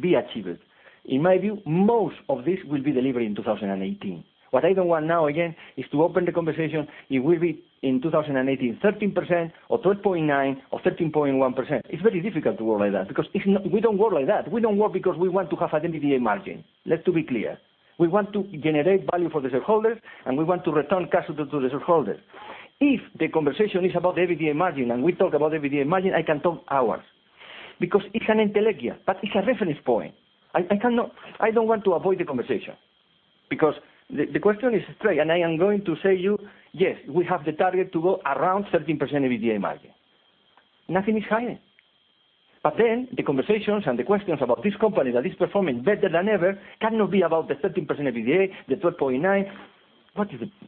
be achieved. In my view, most of this will be delivered in 2018. What I don't want now again is to open the conversation, it will be in 2018, 13% or 12.9% or 13.1%. It's very difficult to work like that because we don't work like that. We don't work because we want to have an EBITDA margin. Let's be clear. We want to generate value for the shareholders, and we want to return cash to the shareholders. If the conversation is about EBITDA margin, and we talk about EBITDA margin, I can talk hours because it's an entelechy, but it's a reference point. I don't want to avoid the conversation because the question is straight, and I am going to say to you, "Yes, we have the target to go around 13% EBITDA margin." Nothing is hiding. The conversations and the questions about this company that is performing better than ever cannot be about the 13% EBITDA, the 12.9%.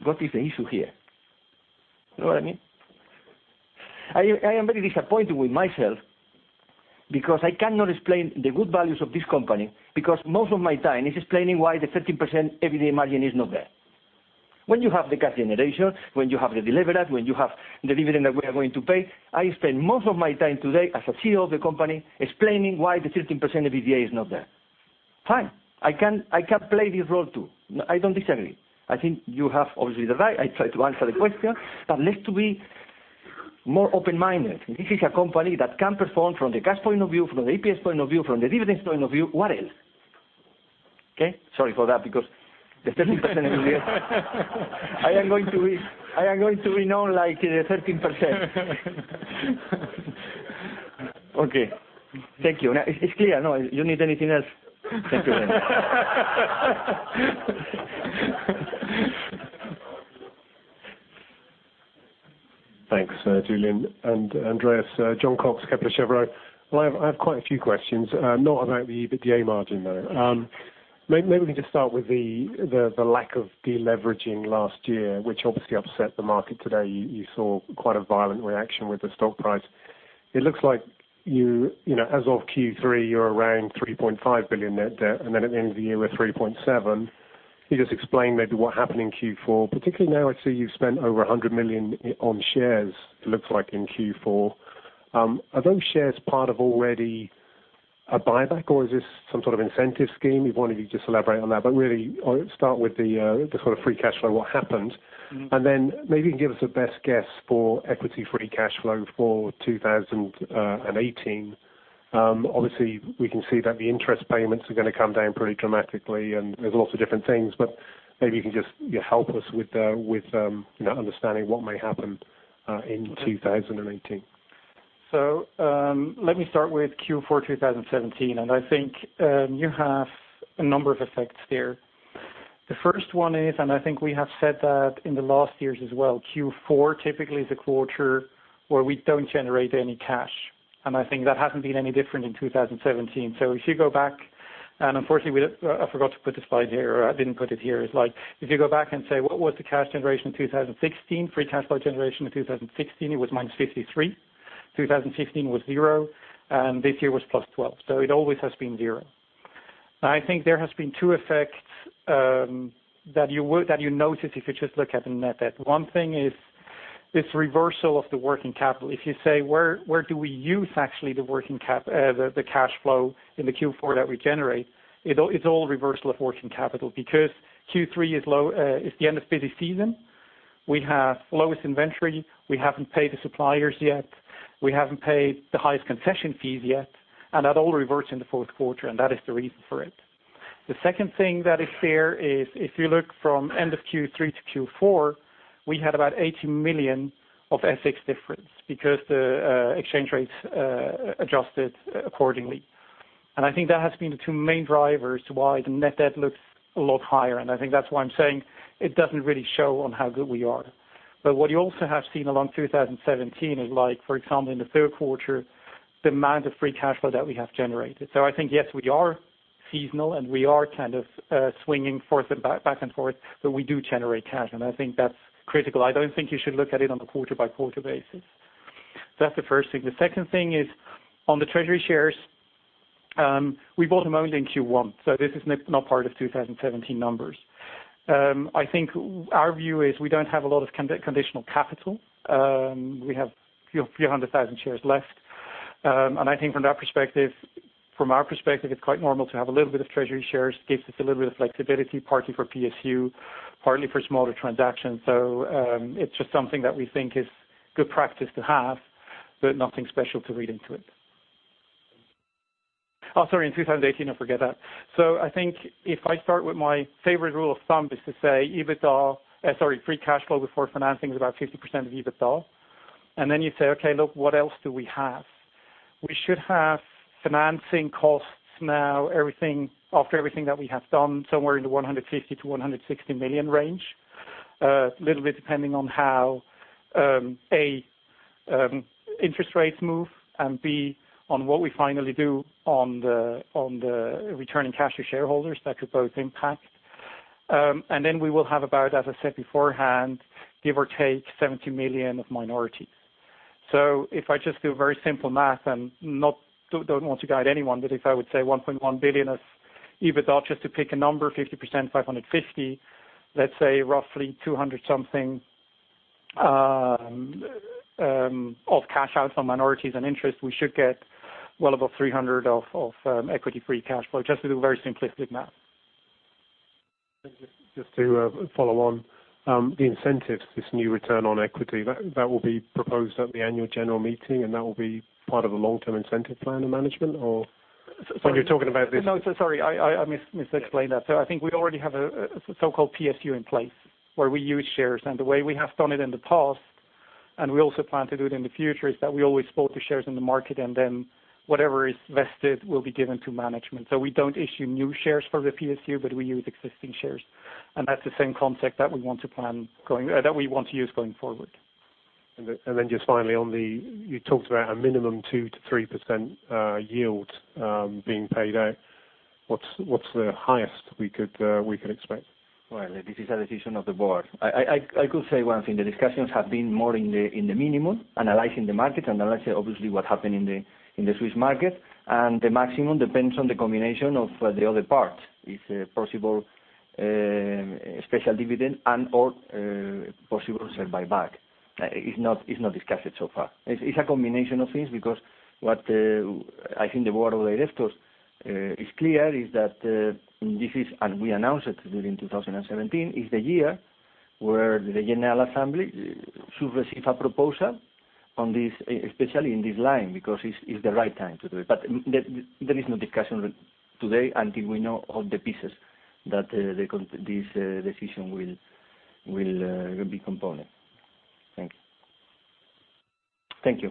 What is the issue here? You know what I mean? I am very disappointed with myself because I cannot explain the good values of this company because most of my time is explaining why the 13% EBITDA margin is not there. When you have the cash generation, when you have the deliverance, when you have the dividend that we are going to pay, I spend most of my time today as a CEO of the company explaining why the 13% EBITDA is not there. Fine. I can play this role, too. I don't disagree. I think you have obviously the right. I try to answer the question, but let's be more open-minded. This is a company that can perform from the cash point of view, from the EPS point of view, from the dividends point of view, what else? Okay? Sorry for that because the 13% EBITDA. I am going to be known like the 13%. Okay. Thank you. Now it's clear. You need anything else? Thank you then. Thanks, Julián and Andreas. Jon Cox, Kepler Cheuvreux. I have quite a few questions, not about the EBITDA margin, though. Maybe we can just start with the lack of deleveraging last year, which obviously upset the market today. You saw quite a violent reaction with the stock price. It looks like as of Q3, you're around 3.5 billion net debt, and then at the end of the year with 3.7 billion. Can you just explain maybe what happened in Q4, particularly now I see you've spent over 100 million on shares, it looks like in Q4. Are those shares part of already a buyback, or is this some sort of incentive scheme? If one of you could just elaborate on that, but really start with the sort of free cash flow, what happened. Maybe you can give us a best guess for equity-free cash flow for 2018. We can see that the interest payments are going to come down pretty dramatically, there's lots of different things, maybe you can just help us with understanding what may happen in 2018. Let me start with Q4 2017, I think you have a number of effects there. The first one is, I think we have said that in the last years as well, Q4 typically is a quarter where we don't generate any cash. I think that hasn't been any different in 2017. If you go back, unfortunately, I forgot to put the slide here, I didn't put it here. It's like if you go back and say, what was the cash generation in 2016, free cash flow generation in 2016, it was minus 53. 2015 was 0, this year was plus 12. It always has been 0. Now, I think there has been two effects that you notice if you just look at the net debt. One thing is this reversal of the working capital. If you say, where do we use actually the cash flow in the Q4 that we generate? It's all reversal of working capital because Q3 is the end of busy season. We have lowest inventory. We haven't paid the suppliers yet. We haven't paid the highest concession fees yet. That all reverts in the fourth quarter, that is the reason for it. The second thing that is there is if you look from end of Q3 to Q4, we had about $80 million of FX difference because the exchange rates adjusted accordingly. I think that has been the two main drivers to why the net debt looks a lot higher, I think that's why I'm saying it doesn't really show on how good we are. What you also have seen along 2017 is like, for example, in the third quarter, the amount of free cash flow that we have generated. I think, yes, we are seasonal, we are kind of swinging back and forth, we do generate cash, I think that's critical. I don't think you should look at it on a quarter-by-quarter basis. That's the first thing. The second thing is on the treasury shares, we bought them only in Q1, this is not part of 2017 numbers. I think our view is we don't have a lot of conditional capital. We have a few 100,000 shares left. I think from our perspective, it's quite normal to have a little bit of treasury shares. Gives us a little bit of flexibility, partly for PSU, partly for smaller transactions. It's just something that we think is good practice to have, but nothing special to read into it. Sorry, in 2018. I forget that. I think if I start with my favorite rule of thumb is to say free cash flow before financing is about 50% of EBITDA. You say, okay, look, what else do we have? We should have financing costs now, after everything that we have done, somewhere in the 150 million-160 million range. A little bit depending on how, A, interest rates move, and B, on what we finally do on the return of cash to shareholders, that could both impact. We will have about, as I said beforehand, give or take 70 million of minority. If I just do very simple math and don't want to guide anyone, but if I would say 1.1 billion of EBITDA, just to pick a number, 50%, 550 million, let's say roughly 200 million something of cash out on minorities and interest, we should get well above 300 million of equity free cash flow, just to do very simplistic math. Just to follow on. The incentives, this new return on equity, that will be proposed at the annual general meeting, and that will be part of a long-term incentive plan of management or? No. Sorry. I misexplained that. I think we already have a so-called PSU in place where we use shares. The way we have done it in the past, and we also plan to do it in the future, is that we always float the shares in the market, and then whatever is vested will be given to management. We don't issue new shares for the PSU, but we use existing shares. That's the same concept that we want to use going forward. Just finally, you talked about a minimum 2%-3% yield being paid out. What's the highest we could expect? Well, this is a decision of the board. I could say one thing. The discussions have been more in the minimum, analyzing the market, analyzing obviously what happened in the Swiss market. The maximum depends on the combination of the other parts. It's a possible special dividend and/or possible share buyback. It's not discussed yet so far. It's a combination of things because what I think the board of directors is clear is that this is, and we announced it during 2017, is the year where the general assembly should receive a proposal on this, especially in this line, because it's the right time to do it. There is no discussion today until we know all the pieces that this decision will be component. Thanks. Thank you.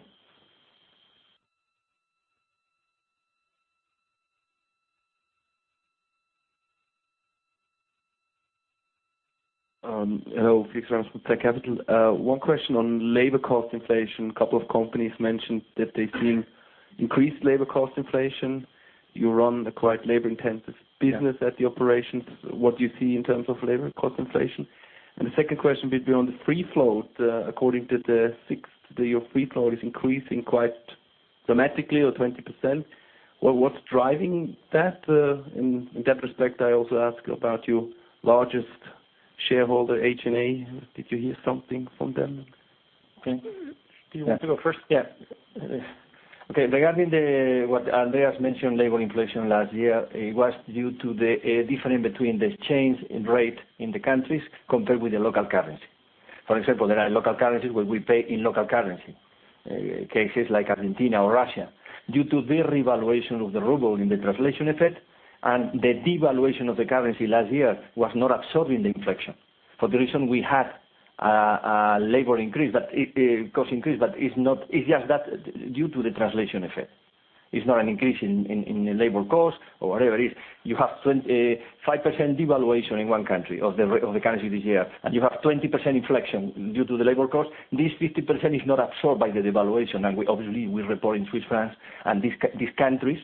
Hello. Felix Rams from Tech Capital. One question on labor cost inflation. A couple of companies mentioned that they've seen increased labor cost inflation. You run a quite labor-intensive business at the operations. What do you see in terms of labor cost inflation? The second question would be on the free float. According to the SIX, your free float is increasing quite dramatically or 20%. What's driving that? In that respect, I also ask about your largest shareholder, HNA. Did you hear something from them? Do you want to go first? Yeah. Okay. Regarding what Andreas mentioned, labor inflation last year, it was due to the difference between the exchange rate in the countries compared with the local currency. For example, there are local currencies where we pay in local currency. Cases like Argentina or Russia. Due to the revaluation of the ruble in the translation effect and the devaluation of the currency last year was not absorbing the inflation. For the reason we had a labor cost increase, but it's just that due to the translation effect. It's not an increase in the labor cost or whatever it is. You have 5% devaluation in one country of the currency this year, and you have 20% inflation due to the labor cost. This 50% is not absorbed by the devaluation. Obviously, we report in Swiss francs, and these countries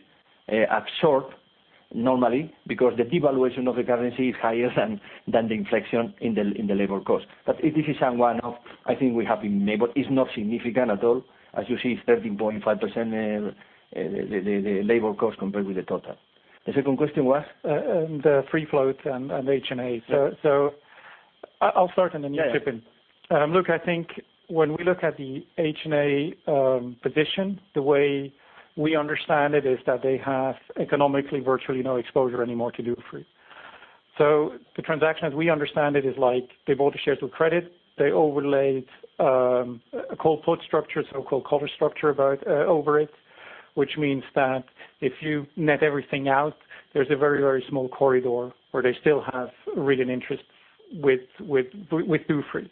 absorb normally because the devaluation of the currency is higher than the inflation in the labor cost. This is one-off. I think we have enabled. It's not significant at all. As you see, 13.5% the labor cost compared with the total. The second question was? The free float and HNA. I'll start, and then you chip in. Yeah. Look, I think when we look at the HNA position, the way we understand it is that they have economically virtually no exposure anymore to Dufry. The transaction, as we understand it, is like they bought the shares with credit. They overlaid a collar structure, so-called collar structure over it, which means that if you net everything out, there's a very, very small corridor where they still have real interest with Dufry.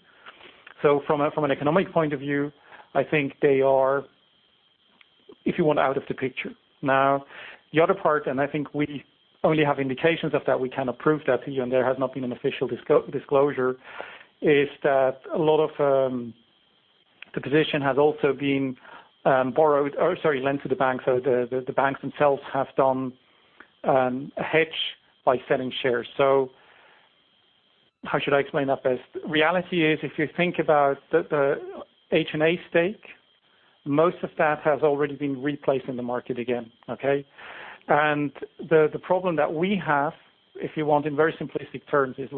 From an economic point of view, I think they are, if you want, out of the picture. Now, the other part, and I think we only have indications of that, we cannot prove that to you, and there has not been an official disclosure, is that a lot of the position has also been lent to the bank. The banks themselves have done a hedge by selling shares. How should I explain that best? Reality is, if you think about the HNA stake, most of that has already been replaced in the market again. Okay? The problem that we have, if you want, in very simplistic terms, is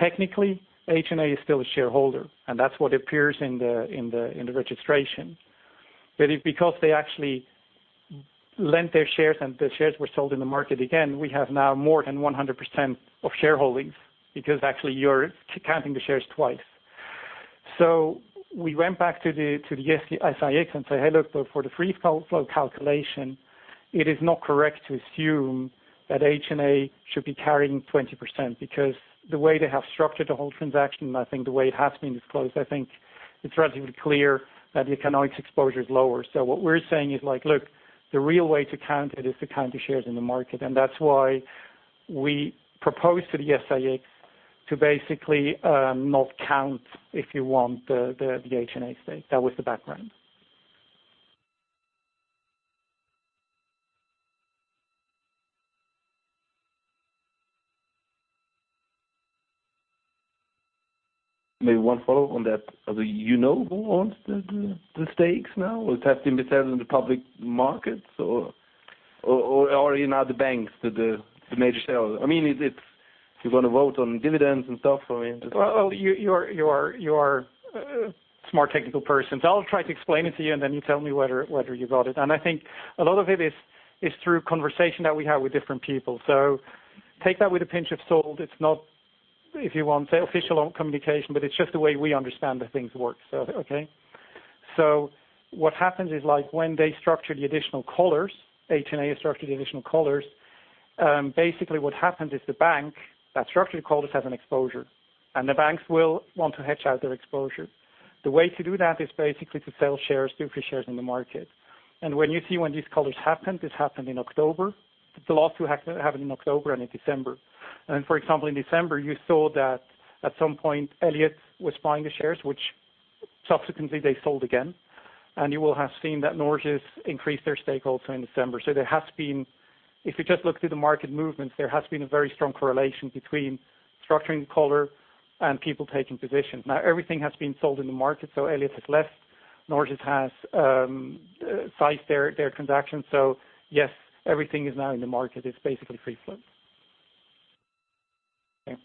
technically HNA is still a shareholder, and that's what appears in the registration. Because they actually lent their shares and the shares were sold in the market again, we have now more than 100% of shareholdings because actually you're counting the shares twice. We went back to the SIX and said, "Hey, look, for the free flow calculation, it is not correct to assume that HNA should be carrying 20%," because the way they have structured the whole transaction, I think the way it has been disclosed, I think it's relatively clear that the economics exposure is lower. What we're saying is, "Look, the real way to count it is to count the shares in the market." That's why we propose to the SIX to basically not count, if you want, the HNA stake. That was the background. Maybe one follow on that. You know who owns the stakes now, or it has to be sold in the public market? In other banks, the major sales. If you're going to vote on dividends and stuff. Well, you are a smart technical person, I'll try to explain it to you, and then you tell me whether you got it. I think a lot of it is through conversation that we have with different people. Take that with a pinch of salt. It's not, if you want, official communication, but it's just the way we understand that things work. Okay. What happens is when they structure the additional collars, HNA structured the additional collars, basically what happens is the bank that structured the collars has an exposure, and the banks will want to hedge out their exposure. The way to do that is basically to sell shares, Dufry shares in the market. When you see when these collars happened, this happened in October. The last two happened in October and in December. For example, in December, you saw that at some point, Elliott was buying the shares, which subsequently they sold again. You will have seen that Norges Bank increased their stake also in December. If you just look through the market movements, there has been a very strong correlation between structuring collar and people taking positions. Now everything has been sold in the market, so Elliott has left. Norges Bank has sized their transaction. Yes, everything is now in the market. It's basically free flow. Okay.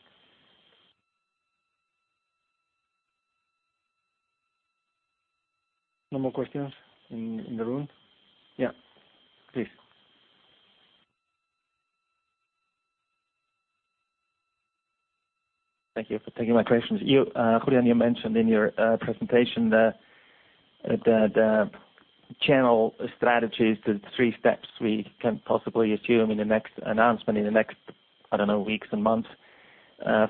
No more questions in the room? Please. Thank you for taking my questions. Julián, you mentioned in your presentation that the channel strategies, the three steps we can possibly assume in the next announcement in the next, I don't know, weeks and months.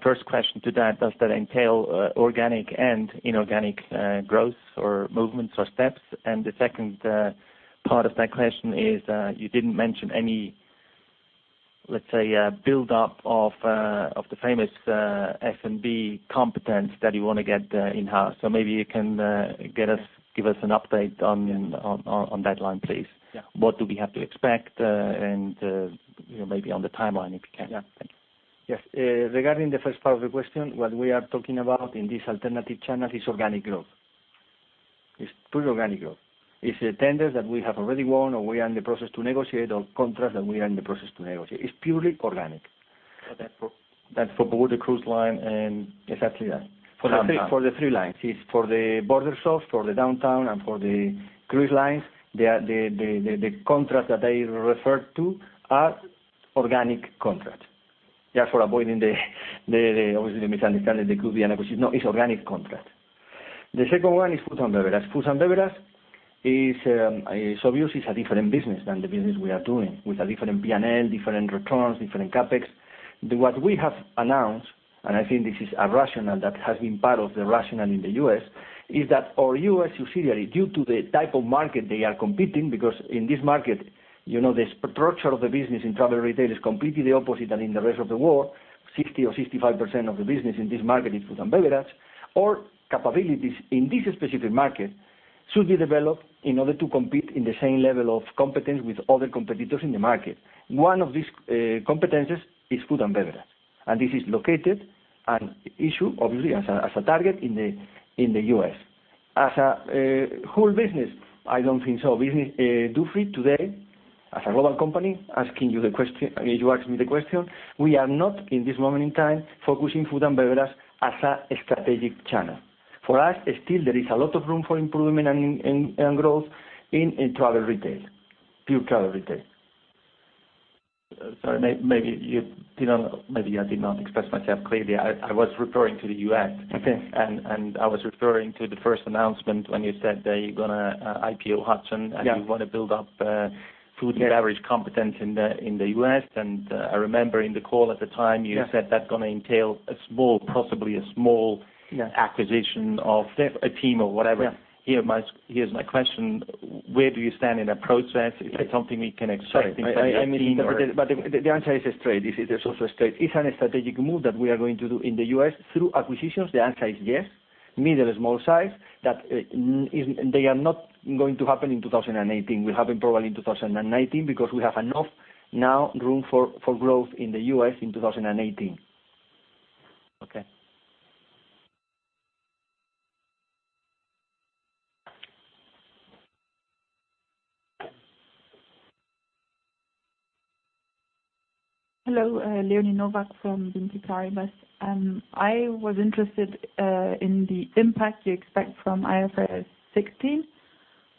First question to that, does that entail organic and inorganic growth or movements or steps? The second part of that question is, you didn't mention any, let's say, build-up of the famous F&B competence that you want to get in-house. Maybe you can give us an update on that line, please. Yeah. What do we have to expect, and maybe on the timeline, if you can. Yeah. Thank you. Yes. Regarding the first part of the question, what we are talking about in this alternative channel is organic growth. It's pure organic growth. It's the tenders that we have already won or we are in the process to negotiate or contracts that we are in the process to negotiate. It's purely organic. That's for both the cruise line and. Exactly that. For the three lines. It's for the borders of, for the downtown, and for the cruise lines. The contracts that I referred to are organic contracts. Yeah, for avoiding obviously the misunderstanding there could be. No, it's organic contract. The second one is food and beverage. Food and beverage obviously is a different business than the business we are doing, with a different P&L, different returns, different CapEx. What we have announced, and I think this is a rationale that has been part of the rationale in the U.S., is that our U.S. subsidiary, due to the type of market they are competing, because in this market, the structure of the business in travel retail is completely the opposite than in the rest of the world. 60% or 65% of the business in this market is food and beverage, or capabilities in this specific market should be developed in order to compete in the same level of competence with other competitors in the market. One of these competencies is food and beverage, and this is located and issued, obviously, as a target in the U.S. As a whole business, I don't think so. Dufry today, as a global company, you asked me the question, we are not, in this moment in time, focusing food and beverage as a strategic channel. For us, still, there is a lot of room for improvement and growth in travel retail, pure travel retail. Sorry, maybe I did not express myself clearly. I was referring to the U.S. Okay. I was referring to the first announcement when you said that you're going to IPO Hudson. Yeah. You want to build up food and beverage competence in the U.S. I remember in the call at the time, you said that's going to entail possibly a small acquisition of a team or whatever. Yeah. Here's my question. Where do you stand in that process? Is that something we can expect in terms of a team? The answer is straight. This is also straight. It's a strategic move that we are going to do in the U.S. through acquisitions. The answer is yes. Middle, small size. They are not going to happen in 2018. They will happen probably in 2019 because we have enough now room for growth in the U.S. in 2018. Okay. Hello, Leonie Novak from Bank of Barajas. I was interested in the impact you expect from IFRS 16,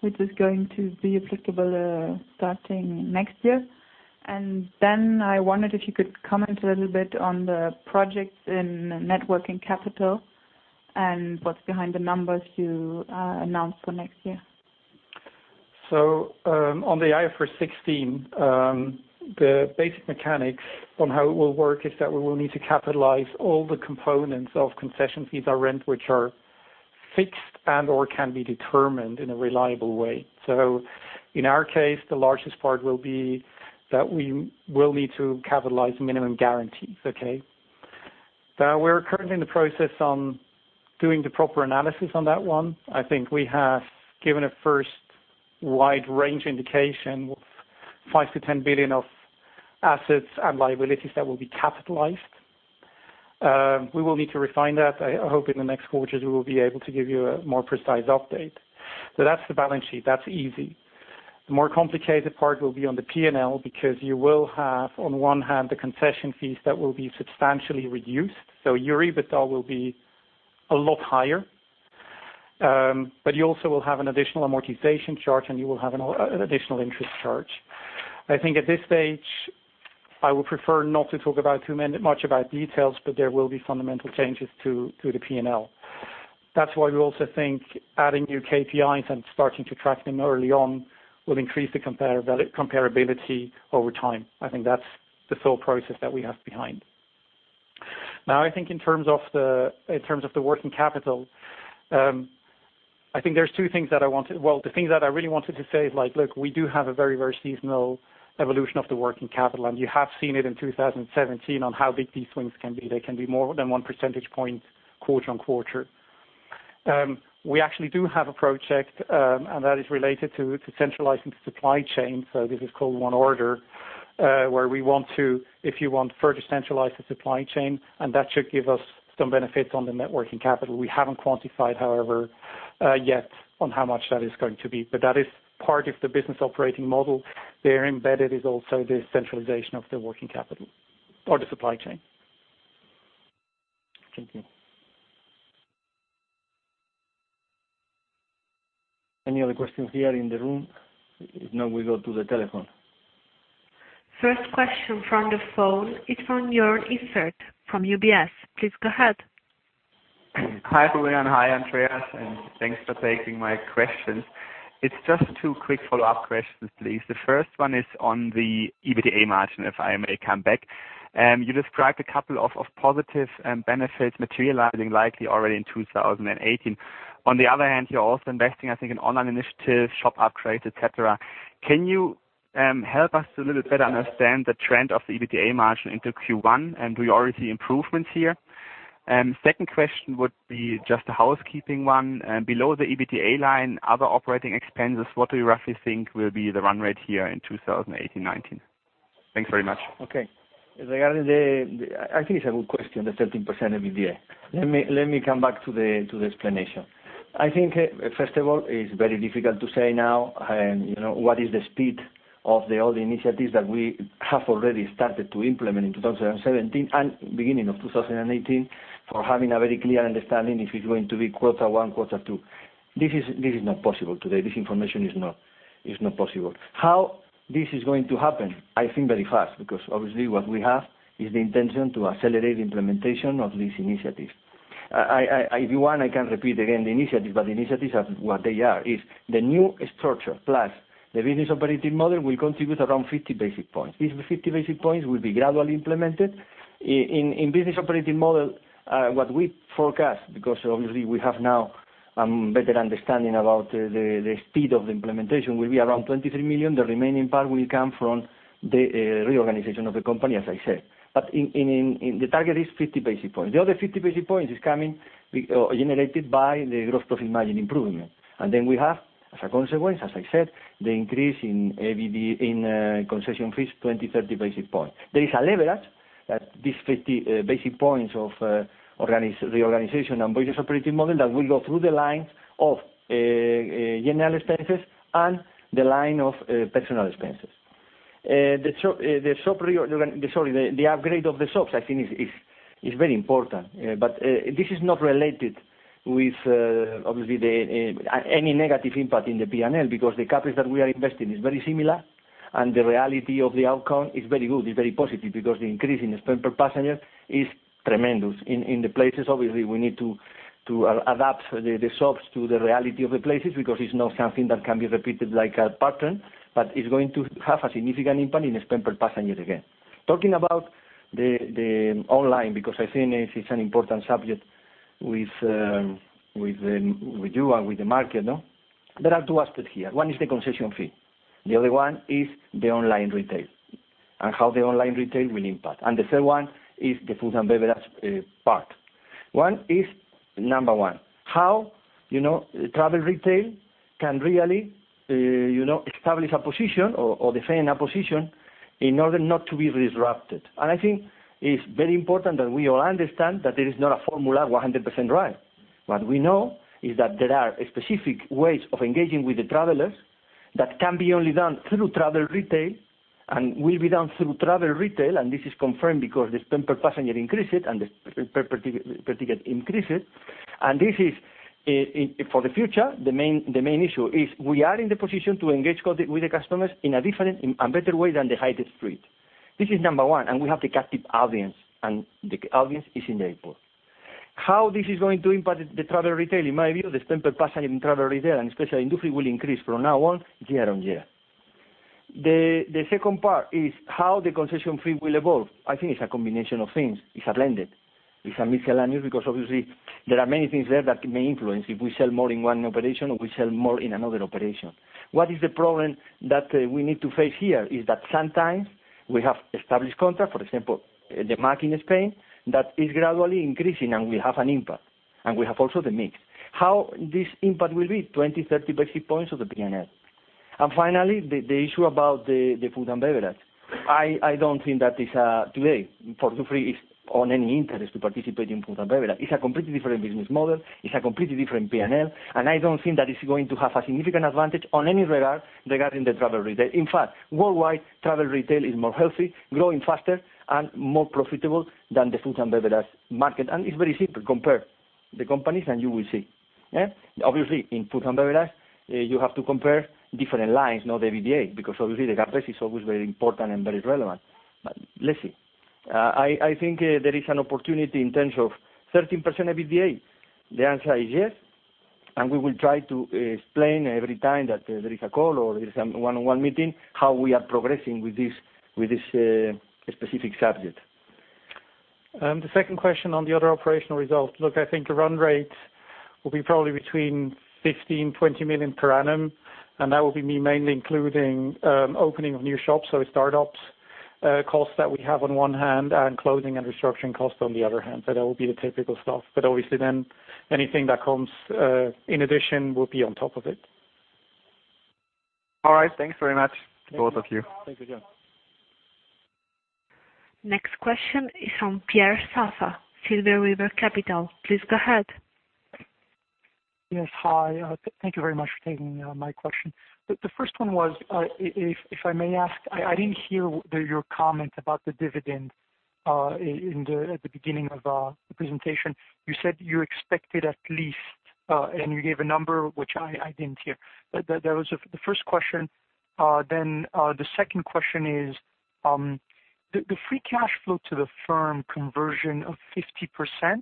which is going to be applicable starting next year. Then I wondered if you could comment a little bit on the projects in net working capital and what's behind the numbers you announced for next year. On the IFRS 16, the basic mechanics on how it will work is that we will need to capitalize all the components of concession fees or rent, which are fixed and/or can be determined in a reliable way. In our case, the largest part will be that we will need to capitalize minimum guarantees, okay? We are currently in the process on doing the proper analysis on that one. I think we have given a first wide range indication of 5 billion-10 billion of assets and liabilities that will be capitalized. We will need to refine that. I hope in the next quarters, we will be able to give you a more precise update. That is the balance sheet. That is easy. The more complicated part will be on the P&L, because you will have, on one hand, the concession fees that will be substantially reduced. Your EBITDA will be a lot higher. You also will have an additional amortization charge, and you will have an additional interest charge. I think at this stage, I would prefer not to talk about too much about details, but there will be fundamental changes to the P&L. That is why we also think adding new KPIs and starting to track them early on will increase the comparability over time. I think that is the thought process that we have behind. Now, I think in terms of the working capital, I think there are two things that I wanted. Well, the things that I really wanted to say is, look, we do have a very seasonal evolution of the working capital, and you have seen it in 2017 on how big these swings can be. They can be more than one percentage point quarter-on-quarter. We actually do have a project, and that is related to centralizing supply chain. This is called One Order, where we want to, if you want, further centralize the supply chain, and that should give us some benefits on the net working capital. We have not quantified, however, yet on how much that is going to be. That is part of the business operating model. There embedded is also the centralization of the working capital or the supply chain. Thank you. Any other questions here in the room? If not, we go to the telephone. First question from the phone is from Jörn Iffert from UBS. Please go ahead. Hi, Julián. Hi, Andreas, and thanks for taking my questions. It's just two quick follow-up questions, please. The first one is on the EBITDA margin, if I may come back. You described a couple of positive benefits materializing likely already in 2018. On the other hand, you're also investing, I think, in online initiatives, shop upgrades, et cetera. Can you help us to a little better understand the trend of the EBITDA margin into Q1, and do you already see improvements here? Second question would be just a housekeeping one. Below the EBITDA line, other operating expenses, what do you roughly think will be the run rate here in 2018-2019? Thanks very much. Okay. Regarding the-- I think it's a good question, the 13% EBITDA. Let me come back to the explanation. I think, first of all, it's very difficult to say now, what is the speed of all the initiatives that we have already started to implement in 2017 and beginning of 2018, for having a very clear understanding if it's going to be quarter one, quarter two. This is not possible today. This information is not possible. How this is going to happen? I think very fast, because obviously what we have is the intention to accelerate the implementation of these initiatives. If you want, I can repeat again the initiatives, but the initiatives are what they are. It's the new structure plus the business operating model will contribute around 50 basis points. These 50 basis points will be gradually implemented. In business operating model, what we forecast, because obviously we have now better understanding about the speed of the implementation, will be around 23 million. The remaining part will come from the reorganization of the company, as I said. The target is 50 basis points. The other 50 basis points is generated by the gross profit margin improvement. We have, as a consequence, as I said, the increase in concession fees, 20-30 basis points. There is a leverage that these 50 basis points of reorganization and business operating model that will go through the lines of general expenses and the line of personal expenses. The upgrade of the shops I think is very important. This is not related with obviously any negative impact in the P&L, because the capital that we are investing is very similar, and the reality of the outcome is very good, it's very positive, because the increase in spend per passenger is tremendous. In the places, obviously, we need to adapt the shops to the reality of the places, because it's not something that can be repeated like a pattern, but it's going to have a significant impact in the spend per passenger again. Talking about the online, because I think it's an important subject with you and with the market. There are two aspects here. One is the concession fee. The other one is the online retail and how the online retail will impact. The third one is the food and beverage part. One is, number 1, how travel retail can really establish a position or defend a position in order not to be disrupted. I think it's very important that we all understand that there is not a formula 100% right. What we know is that there are specific ways of engaging with the travelers that can be only done through travel retail and will be done through travel retail, and this is confirmed because the spend per passenger increases and the spend per ticket increases. For the future, the main issue is we are in the position to engage with the customers in a different and better way than the high street. This is number 1, and we have the captive audience, and the audience is in the airport. How this is going to impact the travel retail? In my view, the spend per passenger in travel retail and especially in duty free will increase from now on year-on-year. The second part is how the concession fee will evolve. I think it's a combination of things. It's blended. It's a miscellaneous because obviously there are many things there that may influence. If we sell more in one operation, or we sell more in another operation. What is the problem that we need to face here is that sometimes we have established contract, for example, the market in Spain, that is gradually increasing and will have an impact, and will have also the mix. How this impact will be 20, 30 basis points of the P&L. Finally, the issue about the food and beverage. I don't think that today, for duty free is on any interest to participate in food and beverage. It's a completely different business model, it's a completely different P&L, and I don't think that it's going to have a significant advantage on any regard regarding the travel retail. In fact, worldwide travel retail is more healthy, growing faster, and more profitable than the food and beverage market. It's very simple. Compare the companies and you will see. Obviously, in food and beverage, you have to compare different lines, not the EBITDA because obviously the CapEx is always very important and very relevant. Let's see. I think there is an opportunity in terms of 13% EBITDA. The answer is yes, and we will try to explain every time that there is a call or there is a one-on-one meeting, how we are progressing with this specific subject. The second question on the other operational results. Look, I think the run rate will be probably between 15 million-20 million per annum, and that will be mainly including opening of new shops, so startups costs that we have on one hand and closing and restructuring costs on the other hand. That will be the typical stuff. Obviously then anything that comes in addition will be on top of it. All right. Thanks very much, both of you. Thank you, Jon. Next question is from Pierre Safa, Silver River Capital. Please go ahead. Yes, hi. Thank you very much for taking my question. The first one was, if I may ask, I didn't hear your comment about the dividend at the beginning of the presentation. You said you expected at least, and you gave a number, which I didn't hear. That was the first question. The second question is, the free cash flow to the firm conversion of 50%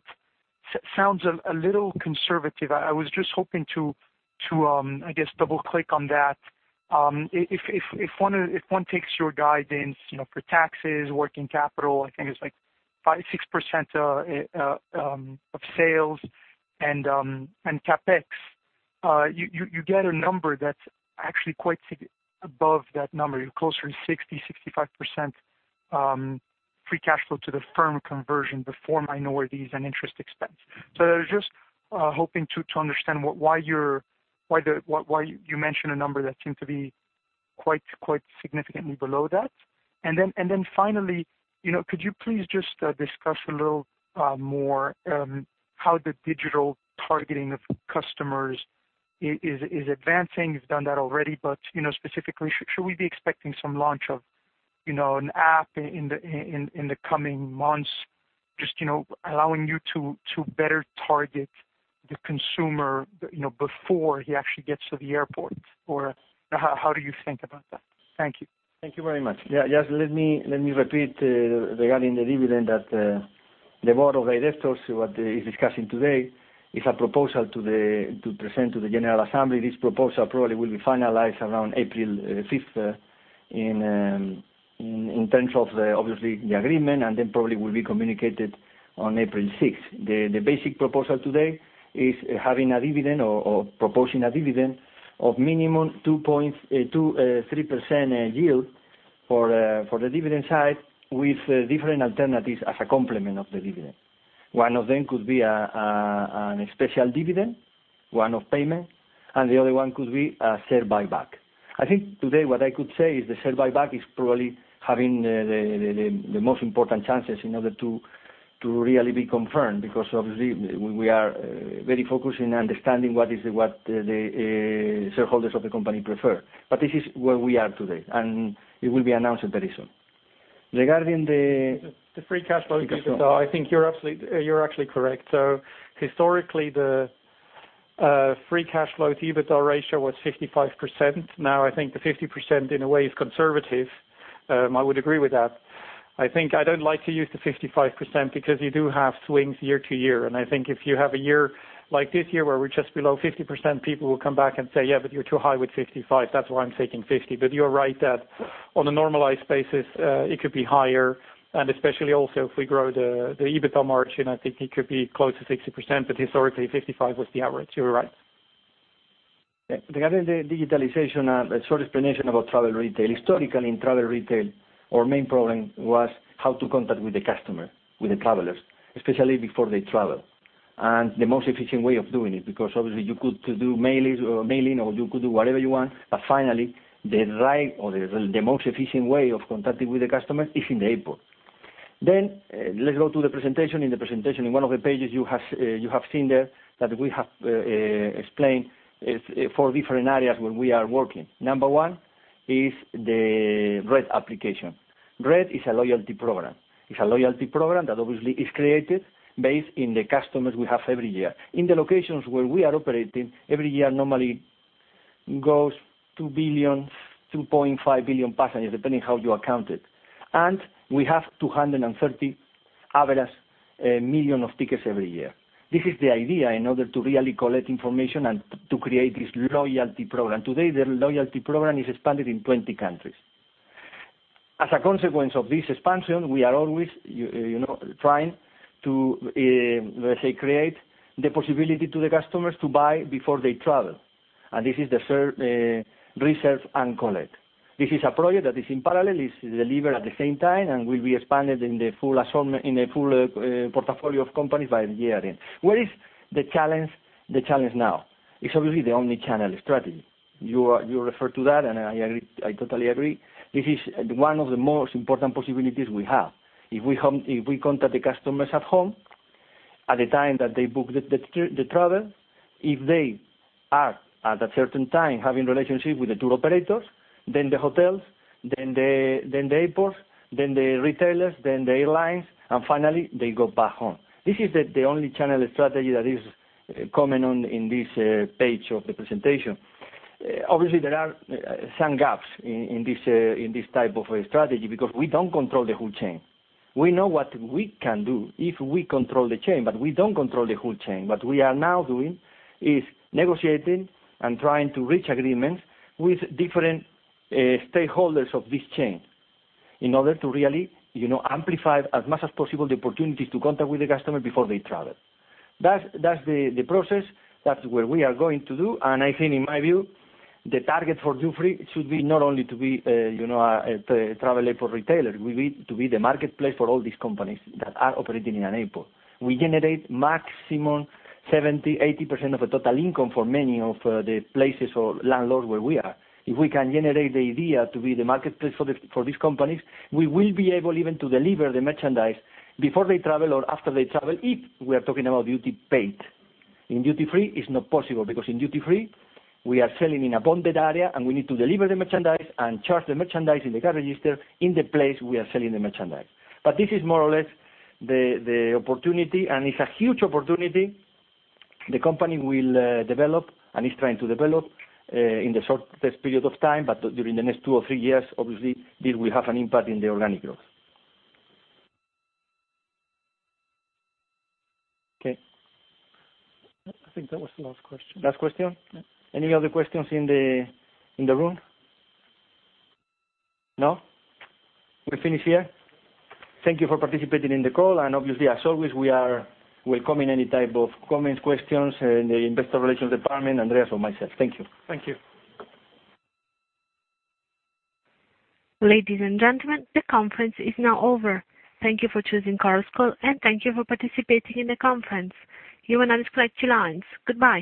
sounds a little conservative. I was just hoping to, I guess, double-click on that. If one takes your guidance for taxes, working capital, I think it's 5%, 6% of sales and CapEx, you get a number that's actually quite above that number. You're closer to 60%, 65% free cash flow to the firm conversion before minorities and interest expense. I was just hoping to understand why you mention a number that seemed to be quite significantly below that. Finally, could you please just discuss a little more how the digital targeting of customers is advancing? You've done that already, but specifically, should we be expecting some launch of an app in the coming months, just allowing you to better target the consumer before he actually gets to the airport? How do you think about that? Thank you. Thank you very much. Yes, let me repeat regarding the dividend that the board of Aena is discussing today is a proposal to present to the general assembly. This proposal probably will be finalized around April 5th in terms of obviously the agreement, probably will be communicated on April 6th. The basic proposal today is having a dividend or proposing a dividend of minimum 3% yield for the dividend side with different alternatives as a complement of the dividend. One of them could be a special dividend, one of payment, and the other one could be a share buyback. I think today what I could say is the share buyback is probably having the most important chances in order to really be confirmed, because obviously we are very focused in understanding what the shareholders of the company prefer. This is where we are today, and it will be announced very soon. The free cash flow. I think you're actually correct. Historically, the free cash flow to EBITDA ratio was 55%. I think the 50% in a way is conservative. I would agree with that. I think I don't like to use the 55% because you do have swings year to year, and I think if you have a year like this year where we're just below 50%, people will come back and say, "Yeah, but you're too high with 55." That's why I'm taking 50. You're right that on a normalized basis, it could be higher, and especially also if we grow the EBITDA margin, I think it could be close to 60%, but historically, 55 was the average. You're right. Regarding the digitalization, a short explanation about travel retail. Historically, in travel retail, our main problem was how to contact with the customer, with the travelers, especially before they travel. The most efficient way of doing it, because obviously you could do mailing, or you could do whatever you want, but finally, the right or the most efficient way of contacting with the customer is in the airport. Let's go to the presentation. In the presentation, in one of the pages you have seen there that we have explained four different areas where we are working. Number one is the RED application. RED is a loyalty program. It's a loyalty program that obviously is created based on the customers we have every year. In the locations where we are operating, every year normally goes 2 billion, 2.5 billion passengers, depending how you account it. We have 230 average million of tickets every year. This is the idea in order to really collect information and to create this loyalty program. Today, the loyalty program is expanded in 20 countries. As a consequence of this expansion, we are always trying to create the possibility to the customers to buy before they travel. This is the Reserve & Collect. This is a project that is in parallel, is delivered at the same time, and will be expanded in the full portfolio of companies by the year end. Where is the challenge now? It's obviously the omni-channel strategy. You referred to that, and I totally agree. This is one of the most important possibilities we have. If we contact the customers at home at the time that they book the travel, if they are at a certain time having relationship with the tour operators, then the hotels, then the airports, then the retailers, then the airlines, and finally they go back home. This is the omni-channel strategy that is common in this page of the presentation. Obviously, there are some gaps in this type of strategy because we don't control the whole chain. We know what we can do if we control the chain, but we don't control the whole chain. What we are now doing is negotiating and trying to reach agreements with different stakeholders of this chain in order to really amplify as much as possible the opportunities to contact with the customer before they travel. That's the process. That's what we are going to do. I think in my view, the target for Dufry should be not only to be a travel airport retailer, we need to be the marketplace for all these companies that are operating in an airport. We generate maximum 70%-80% of the total income for many of the places or landlords where we are. If we can generate the idea to be the marketplace for these companies, we will be able even to deliver the merchandise before they travel or after they travel, if we are talking about duty paid. In duty-free, it is not possible because in duty-free, we are selling in a bonded area, and we need to deliver the merchandise and charge the merchandise in the cash register in the place we are selling the merchandise. This is more or less the opportunity, and it is a huge opportunity the company will develop and is trying to develop in the shortest period of time, but during the next two or three years, obviously, this will have an impact on the organic growth. Okay. I think that was the last question. Last question? Yeah. Any other questions in the room? No? We finish here. Thank you for participating in the call, obviously, as always, we are welcoming any type of comments, questions, in the investor relations department, Andreas or myself. Thank you. Thank you. Ladies and gentlemen, the conference is now over. Thank you for choosing Chorus Call, thank you for participating in the conference. You may now disconnect your lines. Goodbye